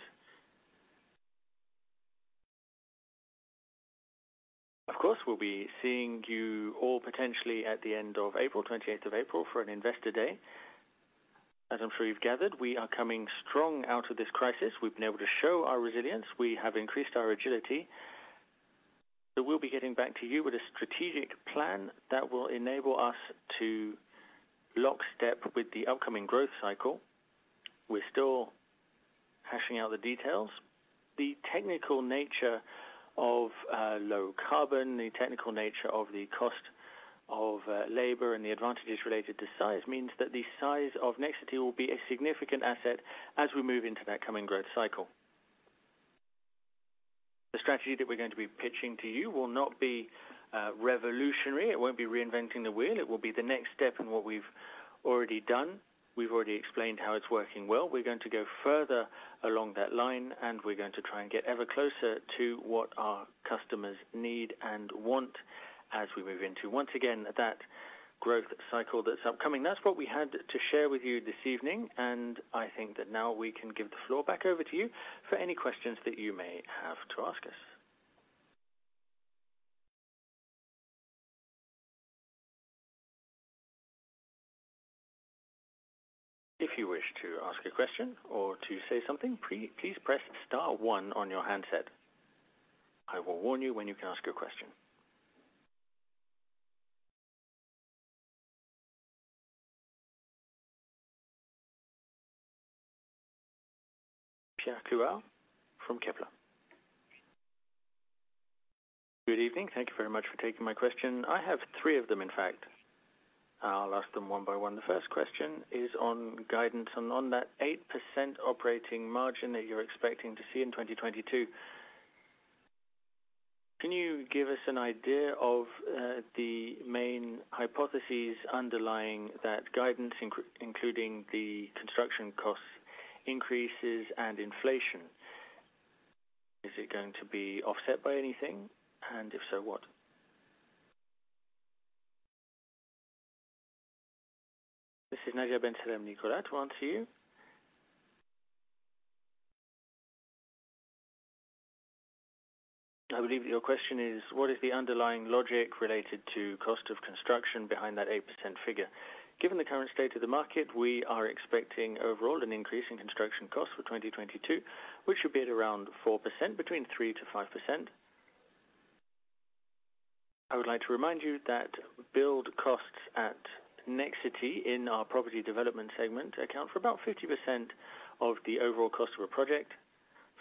course, we'll be seeing you all potentially at the end of April, 28th of April, for an investor day. As I'm sure you've gathered, we are coming strong out of this crisis. We've been able to show our resilience. We have increased our agility. We'll be getting back to you with a strategic plan that will enable us to lockstep with the upcoming growth cycle. We're still hashing out the details. The technical nature of low carbon, the technical nature of the cost of labor and the advantages related to size means that the size of Nexity will be a significant asset as we move into that coming growth cycle. The strategy that we're going to be pitching to you will not be revolutionary. It won't be reinventing the wheel. It will be the next step in what we've already done. We've already explained how it's working well. We're going to go further along that line, and we're going to try and get ever closer to what our customers need and want as we move into, once again, that growth cycle that's upcoming. That's what we had to share with you this evening, and I think that now we can give the floor back over to you for any questions that you may have to ask us. If you wish to ask a question or to say something, please press star one on your handset. I will warn you when you can ask your question. Pierre Cuiral from Kepler. Good evening. Thank you very much for taking my question. I have three of them, in fact. I'll ask them one by one. The first question is on guidance. On that 8% operating margin that you're expecting to see in 2022, can you give us an idea of the main hypotheses underlying that guidance, including the construction cost increases and inflation? Is it going to be offset by anything? And if so, what? This is Nadia Ben Salem-Nicolas. On to you. I believe your question is what is the underlying logic related to cost of construction behind that 8% figure. Given the current state of the market, we are expecting overall an increase in construction costs for 2022, which should be at around 4%, between 3%-5%. I would like to remind you that build costs at Nexity in our property development segment account for about 50% of the overall cost of a project.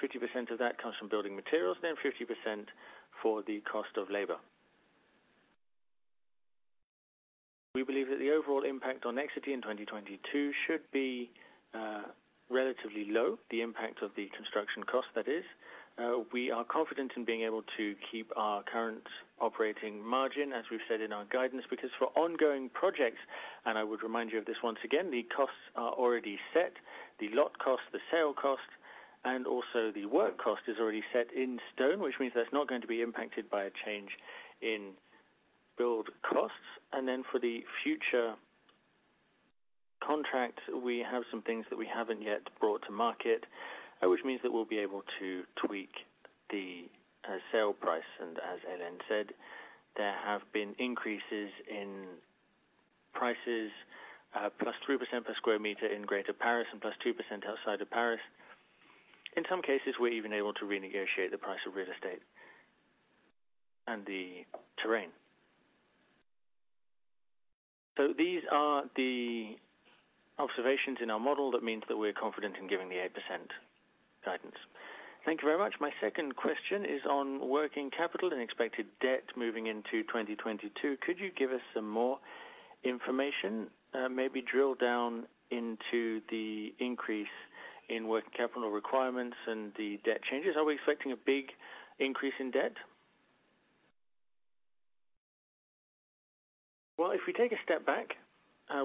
50% of that comes from building materials, then 50% for the cost of labor. We believe that the overall impact on Nexity in 2022 should be relatively low, the impact of the construction cost that is. We are confident in being able to keep our current operating margin as we've said in our guidance, because for ongoing projects, and I would remind you of this once again, the costs are already set. The lot cost, the sale cost, and also the work cost is already set in stone, which means that's not going to be impacted by a change in build costs. Then for the future contract, we have some things that we haven't yet brought to market, which means that we'll be able to tweak the sale price. As Hélène said, there have been increases in prices, +3% per sq m in Greater Paris and +2% outside of Paris. In some cases, we're even able to renegotiate the price of real estate and the terrain. These are the observations in our model that means that we're confident in giving the 8% guidance. Thank you very much. My second question is on working capital and expected debt moving into 2022. Could you give us some more information, maybe drill down into the increase in working capital requirements and the debt changes? Are we expecting a big increase in debt? Well, if we take a step back,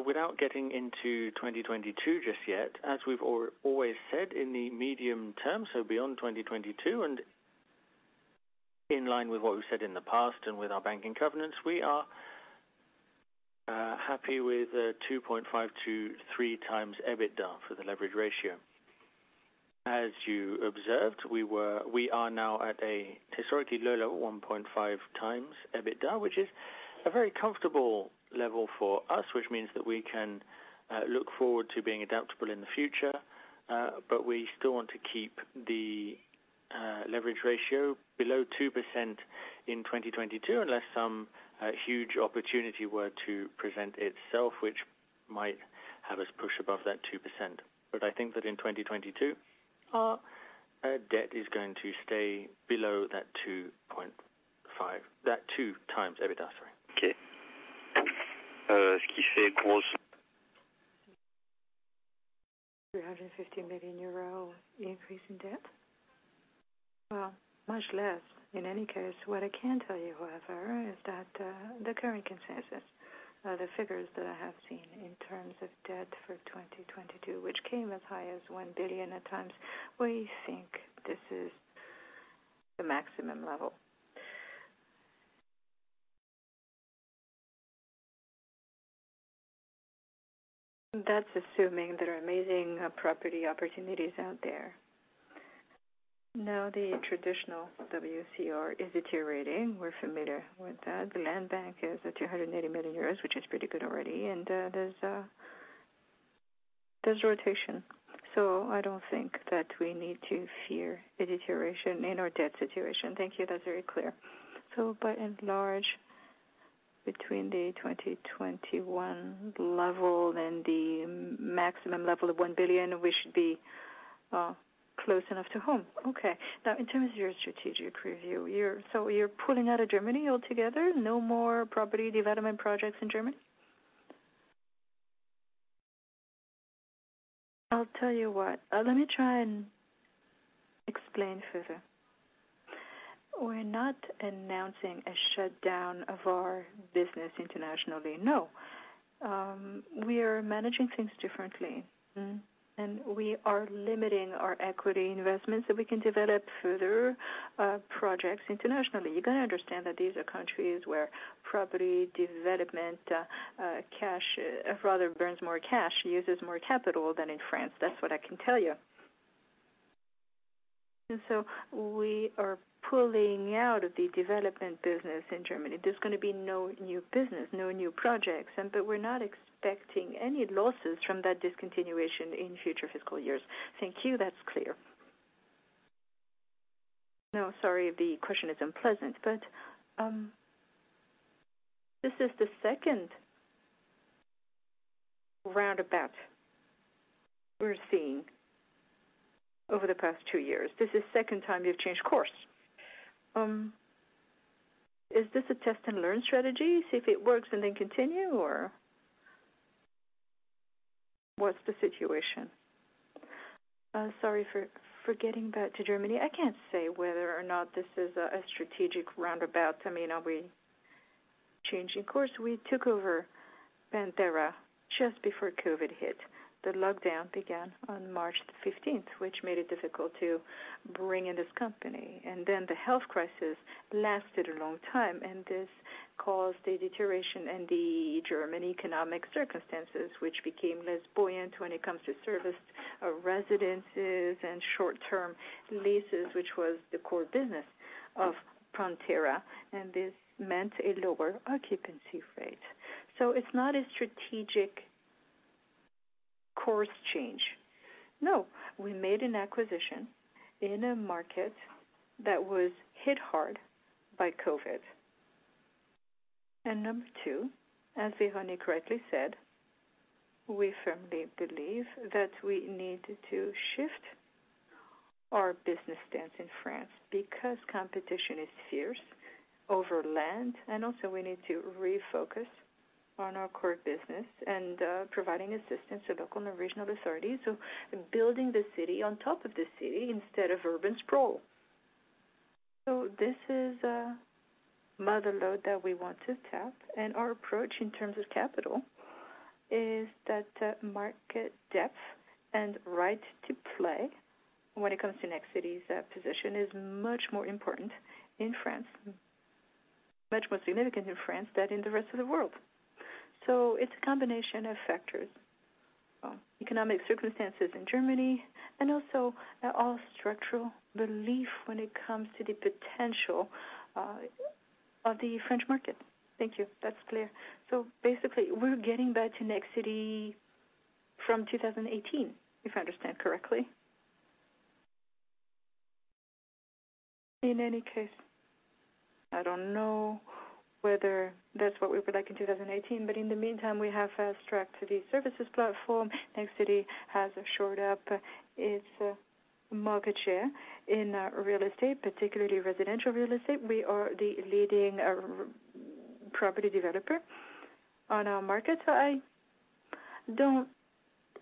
without getting into 2022 just yet, as we've always said in the medium term, so beyond 2022, and in line with what we said in the past and with our banking covenants, we are happy with 2.523x EBITDA for the leverage ratio. As you observed, we are now at a historically low level, 1.5x EBITDA, which is a very comfortable level for us, which means that we can look forward to being adaptable in the future. But we still want to keep the leverage ratio below 2% in 2022, unless some huge opportunity were to present itself, which might have us push above that 2%. I think that in 2022, our debt is going to stay below that 2.5, that 2x EBITDA, sorry. Okay. EUR 350 million increase in debt. Well, much less. In any case, what I can tell you, however, is that, the current consensus, the figures that I have seen in terms of debt for 2022, which came as high as 1 billion at times, we think this is the maximum level. That's assuming there are amazing property opportunities out there. Now, the traditional WCR is deteriorating. We're familiar with that. The land bank is at 280 million euros, which is pretty good already. There's rotation. I don't think that we need to fear a deterioration in our debt situation. Thank you. That's very clear. By and large, between the 2021 level and the maximum level of 1 billion, we should be close enough to home. Okay. Now, in terms of your strategic review, you're pulling out of Germany altogether? No more property development projects in Germany? I'll tell you what. Let me try and explain further. We're not announcing a shutdown of our business internationally, no. We are managing things differently. Mm-hmm. We are limiting our equity investments so we can develop further projects internationally. You got to understand that these are countries where property development rather burns more cash, uses more capital than in France. That's what I can tell you. We are pulling out of the development business in Germany. There's gonna be no new business, no new projects. We're not expecting any losses from that discontinuation in future fiscal years. Thank you. That's clear. Now, sorry, the question is unpleasant, but this is the second roundabout we're seeing over the past two years. This is second time you've changed course. Is this a test and learn strategy? See if it works and then continue, or what's the situation? Sorry for getting back to Germany. I can't say whether or not this is a strategic roundabout. I mean, are we changing course? We took over Pantera just before COVID hit. The lockdown began on March fifteenth, which made it difficult to bring in this company. Then the health crisis lasted a long time, and this caused a deterioration in the German economic circumstances, which became less buoyant when it comes to serviced residences and short-term leases, which was the core business of Pantera, and this meant a lower occupancy rate. It's not a strategic course change. No, we made an acquisition in a market that was hit hard by COVID. Number two, as Véronique correctly said, we firmly believe that we need to shift our business stance in France because competition is fierce over land, and also we need to refocus on our core business and providing assistance to local and regional authorities, building the city on top of the city instead of urban sprawl. This is a mother lode that we want to tap, and our approach in terms of capital is that market depth and right to play when it comes to Nexity's position is much more important in France. Much more significant in France than in the rest of the world. It's a combination of factors, economic circumstances in Germany and also our structural belief when it comes to the potential of the French market. Thank you. That's clear. Basically, we're getting back to Nexity from 2018, if I understand correctly. In any case, I don't know whether that's what we were like in 2018, but in the meantime, we have a strong services platform. Nexity has shored up its market share in real estate, particularly residential real estate. We are the leading property developer on our market.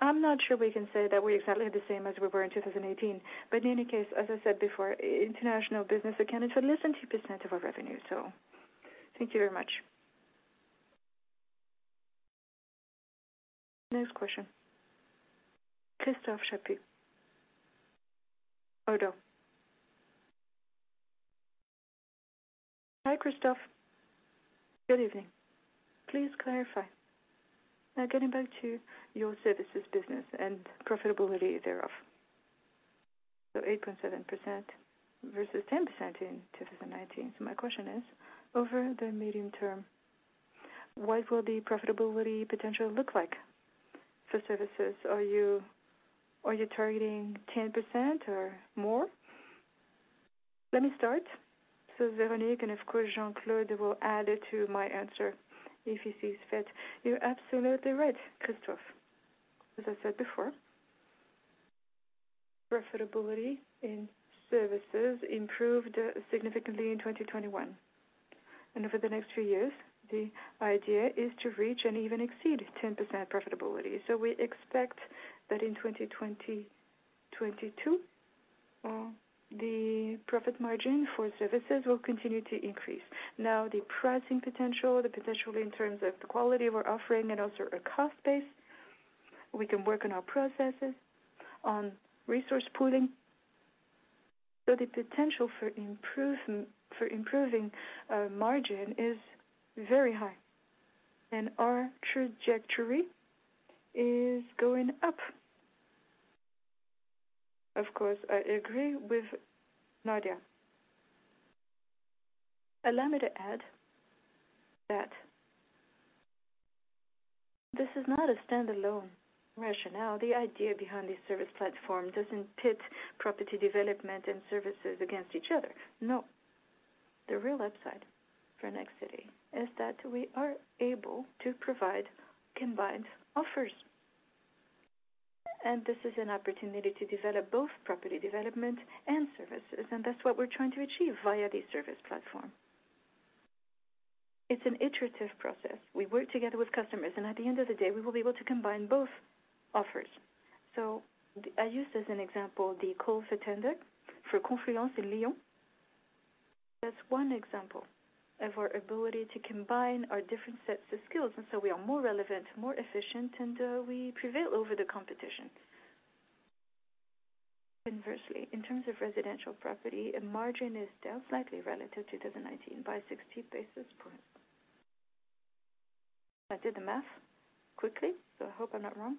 I'm not sure we can say that we're exactly the same as we were in 2018. In any case, as I said before, international business accounted for less than 2% of our revenue. Thank you very much. Next question. Christophe Chaput, Oddo. Hi, Christophe. Good evening. Please clarify. Now, getting back to your services business and profitability thereof. 8.7% versus 10% in 2019. My question is, over the medium term, what will the profitability potential look like for services? Are you targeting 10% or more? Let me start. Véronique, and of course, Jean-Claude will add to my answer if he sees fit. You're absolutely right, Christophe. As I said before, profitability in services improved significantly in 2021. Over the next few years, the idea is to reach and even exceed 10% profitability. We expect that in 2022, the profit margin for services will continue to increase. Now, the pricing potential, the potential in terms of the quality of our offering and also our cost base, we can work on our processes, on resource pooling. The potential for improvement, for improving margin is very high, and our trajectory is going up. Of course, I agree with Nadia. Allow me to add that this is not a standalone rationale. The idea behind this service platform doesn't pit property development and services against each other. No. The real upside for Nexity is that we are able to provide combined offers. This is an opportunity to develop both property development and services, and that's what we're trying to achieve via the service platform. It's an iterative process. We work together with customers, and at the end of the day, we will be able to combine both offers. I use as an example, the call for tender for Confluence in Lyon. That's one example of our ability to combine our different sets of skills, and we are more relevant, more efficient, and we prevail over the competition. Inversely, in terms of residential property, a margin is down slightly relative to 2019 by 60 basis points. I did the math quickly, so I hope I'm not wrong.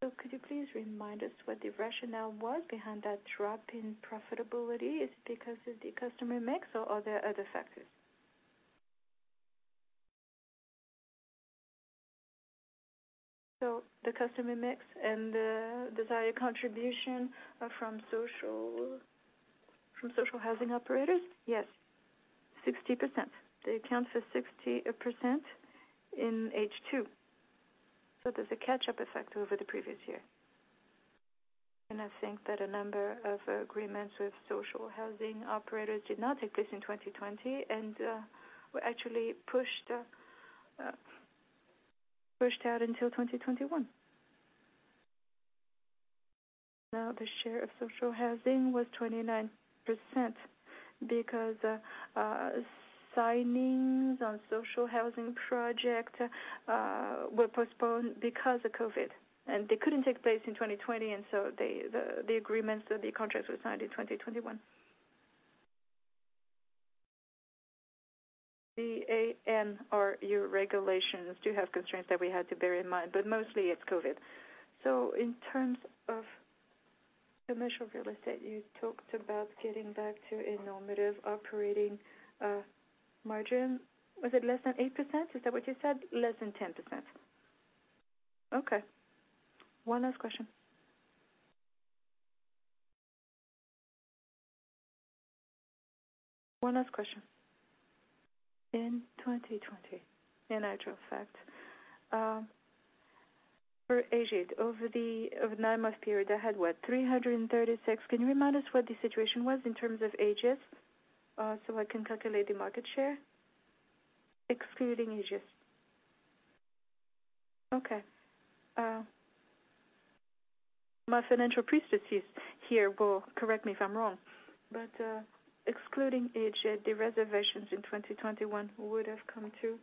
Could you please remind us what the rationale was behind that drop in profitability? Is it because of the customer mix, or are there other factors? The customer mix and the desired contribution from social housing operators. Yes, 60%. They account for 60% in H2. There's a catch-up effect over the previous year. I think that a number of agreements with social housing operators did not take place in 2020 and were actually pushed out until 2021. Now, the share of social housing was 29% because signings on social housing project were postponed because of COVID, and they couldn't take place in 2020, and so the agreements or the contracts were signed in 2021. The ANRU regulations do have constraints that we had to bear in mind, but mostly it's COVID. In terms of commercial real estate, you talked about getting back to a normal operating margin. Was it less than 8%? Is that what you said? Less than 10%. Okay, one last question. In 2020, in actual fact, for Ageas, over the 9-month period, can you remind us what the situation was in terms of Ageas, so I can calculate the market share? Excluding Ageas. Okay. My financial priestesses here will correct me if I'm wrong, but excluding Ageas, the reservations in 2021 would've come to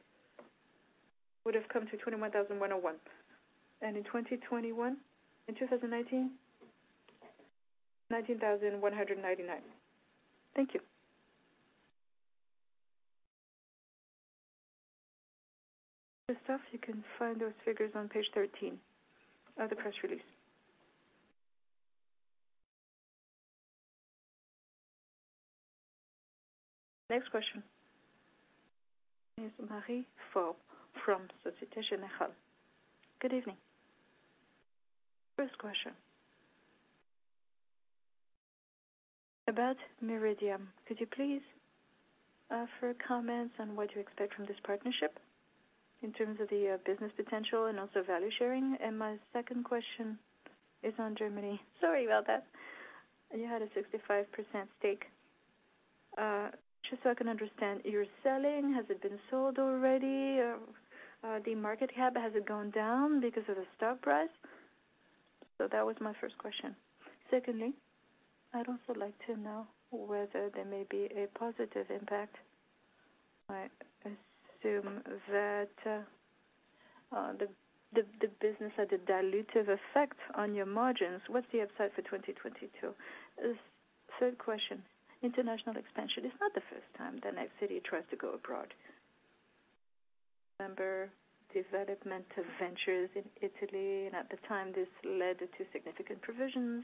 21,101. In 2019? 19,199. Thank you. This stuff, you can find those figures on page 13 of the press release. Next question. It's Marie Faure from Société Générale. Good evening. First question, about Meridiam, could you please offer comments on what you expect from this partnership in terms of the business potential and also value sharing? My second question is on Germany. Sorry about that. You had a 65% stake. Just so I can understand, you're selling. Has it been sold already? Or the market cap, has it gone down because of the stock price? That was my first question. Secondly, I'd also like to know whether there may be a positive impact. I assume that the business had a dilutive effect on your margins. What's the upside for 2022? Third question, international expansion. It's not the first time that Nexity tries to go abroad. Remember developmental ventures in Italy, and at the time, this led to significant provisions.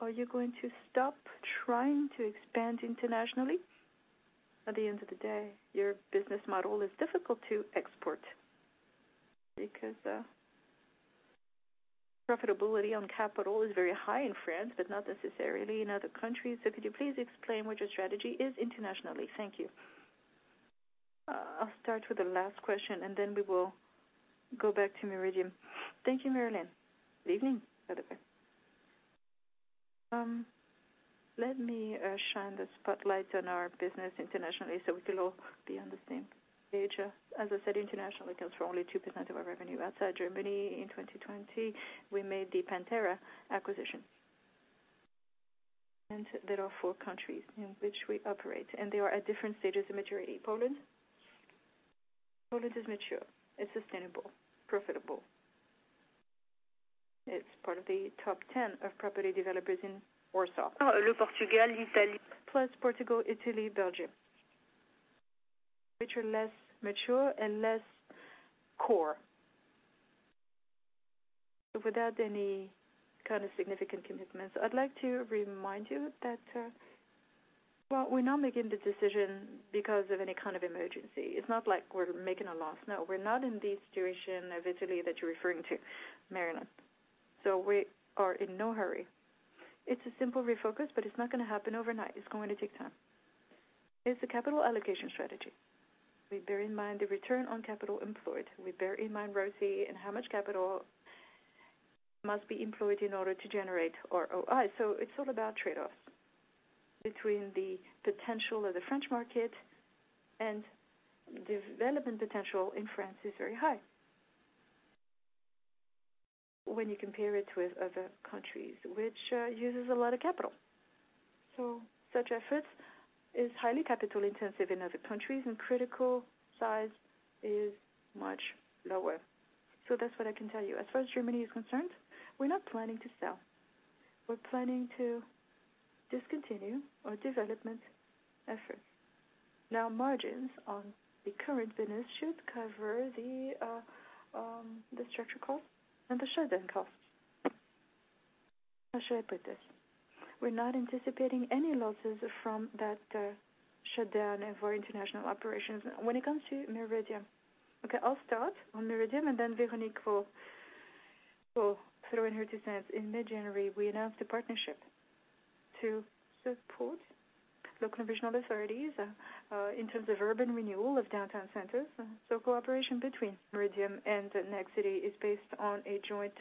Are you going to stop trying to expand internationally? At the end of the day, your business model is difficult to export because profitability on capital is very high in France, but not necessarily in other countries. Could you please explain what your strategy is internationally? Thank you. I'll start with the last question, and then we will go back to Meridiam. Thank you, Marilyn. Good evening, by the way. Let me shine the spotlight on our business internationally so we can all be on the same page. As I said, international accounts for only 2% of our revenue. Outside Germany in 2020, we made the Pantera acquisition. There are four countries in which we operate, and they are at different stages of maturity. Poland is mature and sustainable, profitable. It's part of the top 10 of property developers in Warsaw. Plus Portugal, Italy, Belgium, which are less mature and less core. Without any kind of significant commitments, I'd like to remind you that, we're not making the decision because of any kind of emergency. It's not like we're making a loss. No, we're not in the situation of Italy that you're referring to, Marilyn. We are in no hurry. It's a simple refocus, but it's not gonna happen overnight. It's going to take time. It's a capital allocation strategy. We bear in mind the return on capital employed. We bear in mind ROCE and how much capital must be employed in order to generate ROI. It's all about trade-offs between the potential of the French market, and development potential in France is very high when you compare it with other countries, which uses a lot of capital. Such efforts is highly capital-intensive in other countries, and critical size is much lower. That's what I can tell you. As far as Germany is concerned, we're not planning to sell. We're planning to discontinue our development efforts. Now, margins on the current business should cover the structural costs and the shutdown costs. How should I put this? We're not anticipating any losses from that shutdown of our international operations. When it comes to Meridiam, okay, I'll start on Meridiam, and then Véronique will throw in her two cents. In mid-January, we announced a partnership to support local and regional authorities in terms of urban renewal of downtown centers. Cooperation between Meridiam and Nexity is based on a joint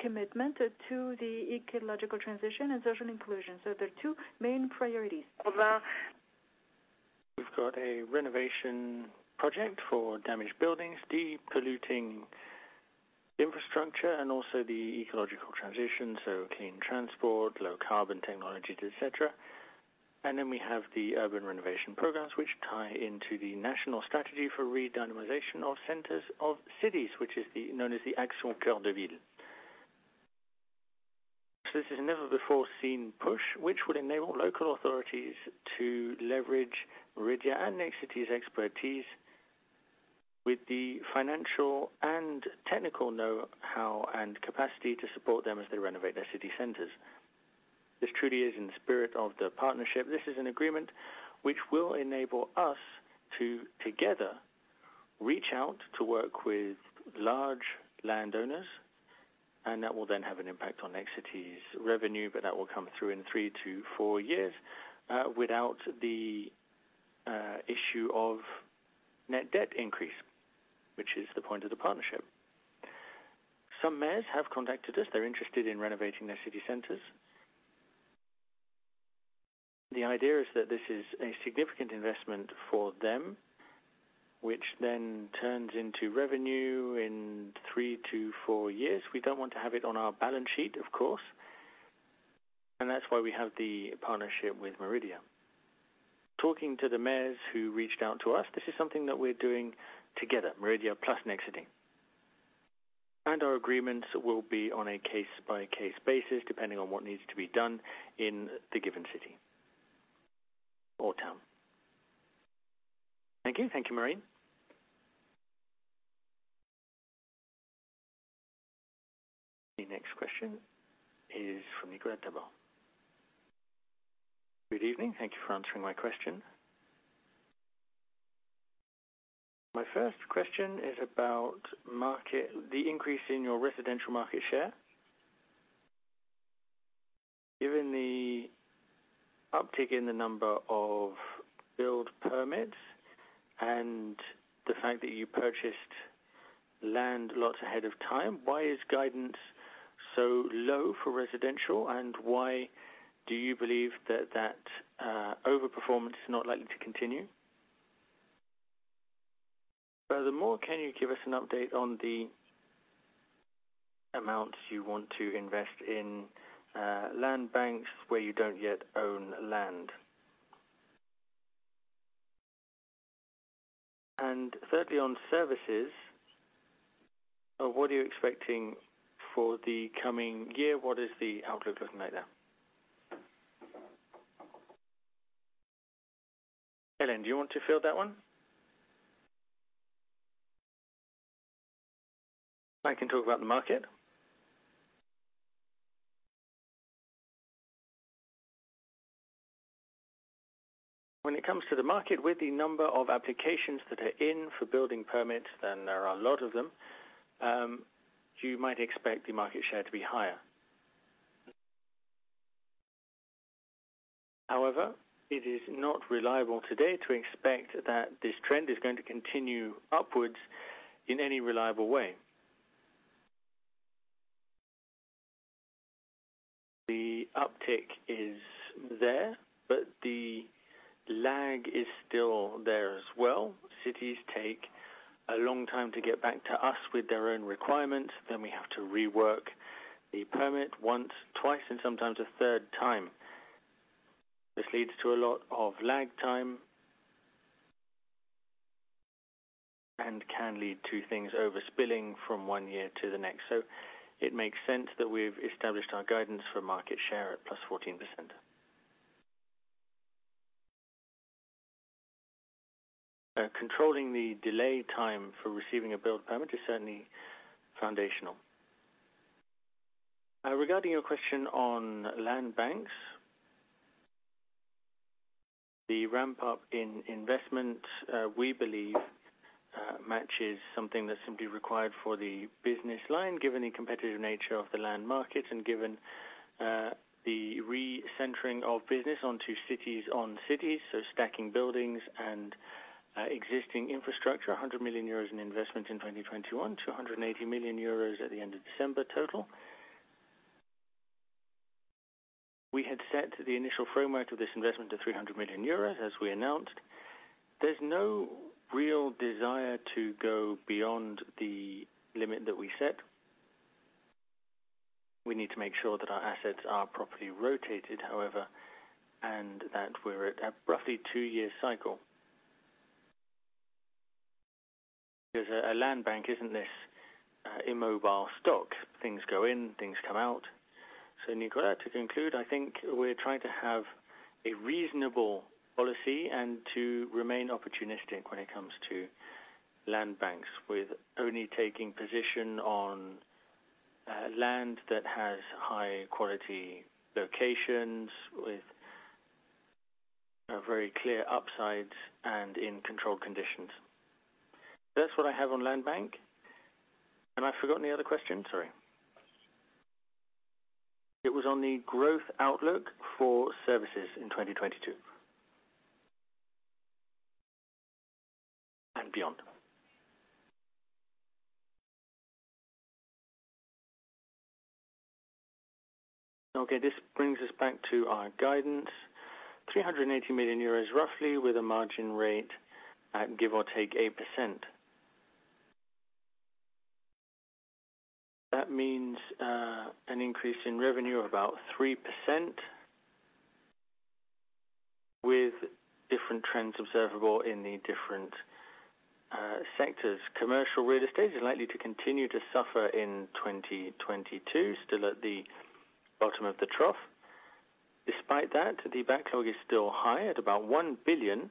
commitment to the ecological transition and social inclusion. There are two main priorities. We've got a renovation project for damaged buildings, depolluting infrastructure and also the ecological transition, so clean transport, low carbon technologies, et cetera. We have the urban renovation programs which tie into the national strategy for re-dynamization of centers of cities, which is known as the Action Cœur de Ville. This is a never-before-seen push which would enable local authorities to leverage Meridiam and Nexity's expertise with the financial and technical know-how and capacity to support them as they renovate their city centers. This truly is in the spirit of the partnership. This is an agreement which will enable us to together reach out to work with large landowners, and that will then have an impact on Nexity's revenue, but that will come through in three to four years, without the issue of net debt increase, which is the point of the partnership. Some mayors have contacted us. They're interested in renovating their city centers. The idea is that this is a significant investment for them, which then turns into revenue in three to four years. We don't want to have it on our balance sheet, of course. That's why we have the partnership with Meridiam. Talking to the mayors who reached out to us, this is something that we're doing together, Meridiam plus Nexity. Our agreements will be on a case-by-case basis, depending on what needs to be done in the given city or town. Thank you. Thank you, Marie. The next question is from Nicolas Tabor. Good evening. Thank you for answering my question. My first question is about the increase in your residential market share. Given the uptick in the number of building permits and the fact that you purchased land lots ahead of time, why is guidance so low for residential, and why do you believe that overperformance is not likely to continue? Furthermore, can you give us an update on the amount you want to invest in land banks where you don't yet own land? And thirdly, on services, what are you expecting for the coming year? What is the outlook looking like there? Hélène, do you want to field that one? I can talk about the market. When it comes to the market, with the number of applications that are in for building permits, and there are a lot of them, you might expect the market share to be higher. However, it is not reliable today to expect that this trend is going to continue upwards in any reliable way. The uptick is there, but the lag is still there as well. Cities take a long time to get back to us with their own requirements. Then we have to rework the permit once, twice, and sometimes a third time. This leads to a lot of lag time and can lead to things overspilling from one year to the next. It makes sense that we've established our guidance for market share at +14%. Controlling the delay time for receiving a build permit is certainly foundational. Regarding your question on land banks. The ramp-up in investment, we believe, matches something that's simply required for the business line, given the competitive nature of the land market and given the recentering of business onto cities, so stacking buildings and existing infrastructure, 100 million euros in investment in 2021, 280 million euros at the end of December total. We had set the initial framework of this investment to 300 million euros, as we announced. There's no real desire to go beyond the limit that we set. We need to make sure that our assets are properly rotated, however, and that we're at a roughly two-year cycle. Because a land bank isn't this immobile stock. Things go in, things come out. Nicolas, to conclude, I think we're trying to have a reasonable policy and to remain opportunistic when it comes to land banks, with only taking position on land that has high-quality locations with very clear upsides and in controlled conditions. That's what I have on land bank. I forgot any other question? Sorry. It was on the growth outlook for services in 2022. Beyond. Okay, this brings us back to our guidance. 380 million euros roughly with a margin rate at give or take 8%. That means an increase in revenue of about 3% with different trends observable in the different sectors. Commercial real estate is likely to continue to suffer in 2022, still at the bottom of the trough. Despite that, the backlog is still high at about 1 billion,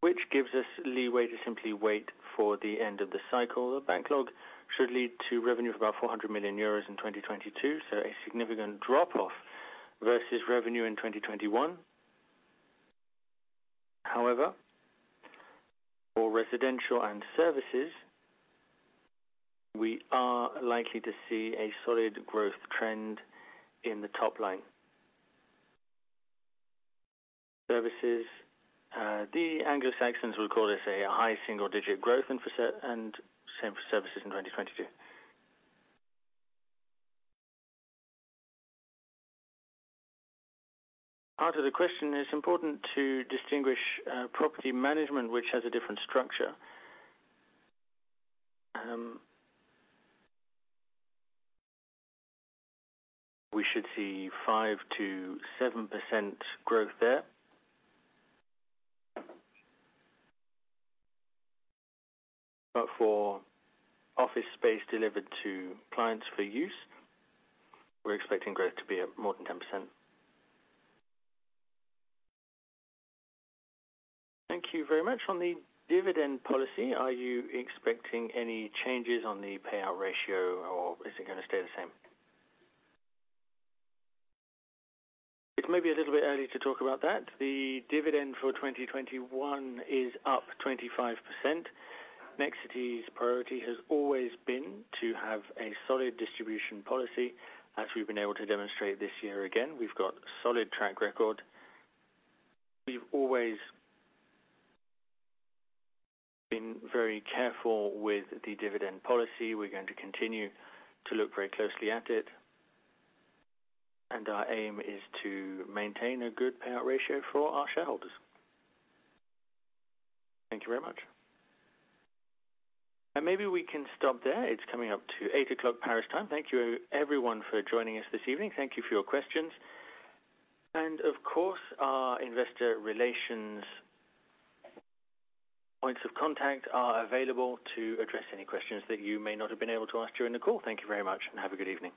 which gives us leeway to simply wait for the end of the cycle. The backlog should lead to revenue of about 400 million euros in 2022, so a significant drop-off versus revenue in 2021. However, for residential and services, we are likely to see a solid growth trend in the top line. Services, the Anglo-Saxons will call this a high single-digit growth and same for services in 2022. Answer the question, it's important to distinguish, property management which has a different structure. We should see 5%-7% growth there. But for office space delivered to clients for use, we're expecting growth to be, more than 10%. Thank you very much. On the dividend policy, are you expecting any changes on the payout ratio or is it gonna stay the same? It may be a little bit early to talk about that. The dividend for 2021 is up 25%. Nexity's priority has always been to have a solid distribution policy. As we've been able to demonstrate this year, again, we've got solid track record. We've always been very careful with the dividend policy. We're going to continue to look very closely at it. Our aim is to maintain a good payout ratio for our shareholders. Thank you very much. Maybe we can stop there. It's coming up to 8:00 P.M. Paris time. Thank you everyone for joining us this evening. Thank you for your questions. Of course, our investor relations points of contact are available to address any questions that you may not have been able to ask during the call. Thank you very much and have a good evening.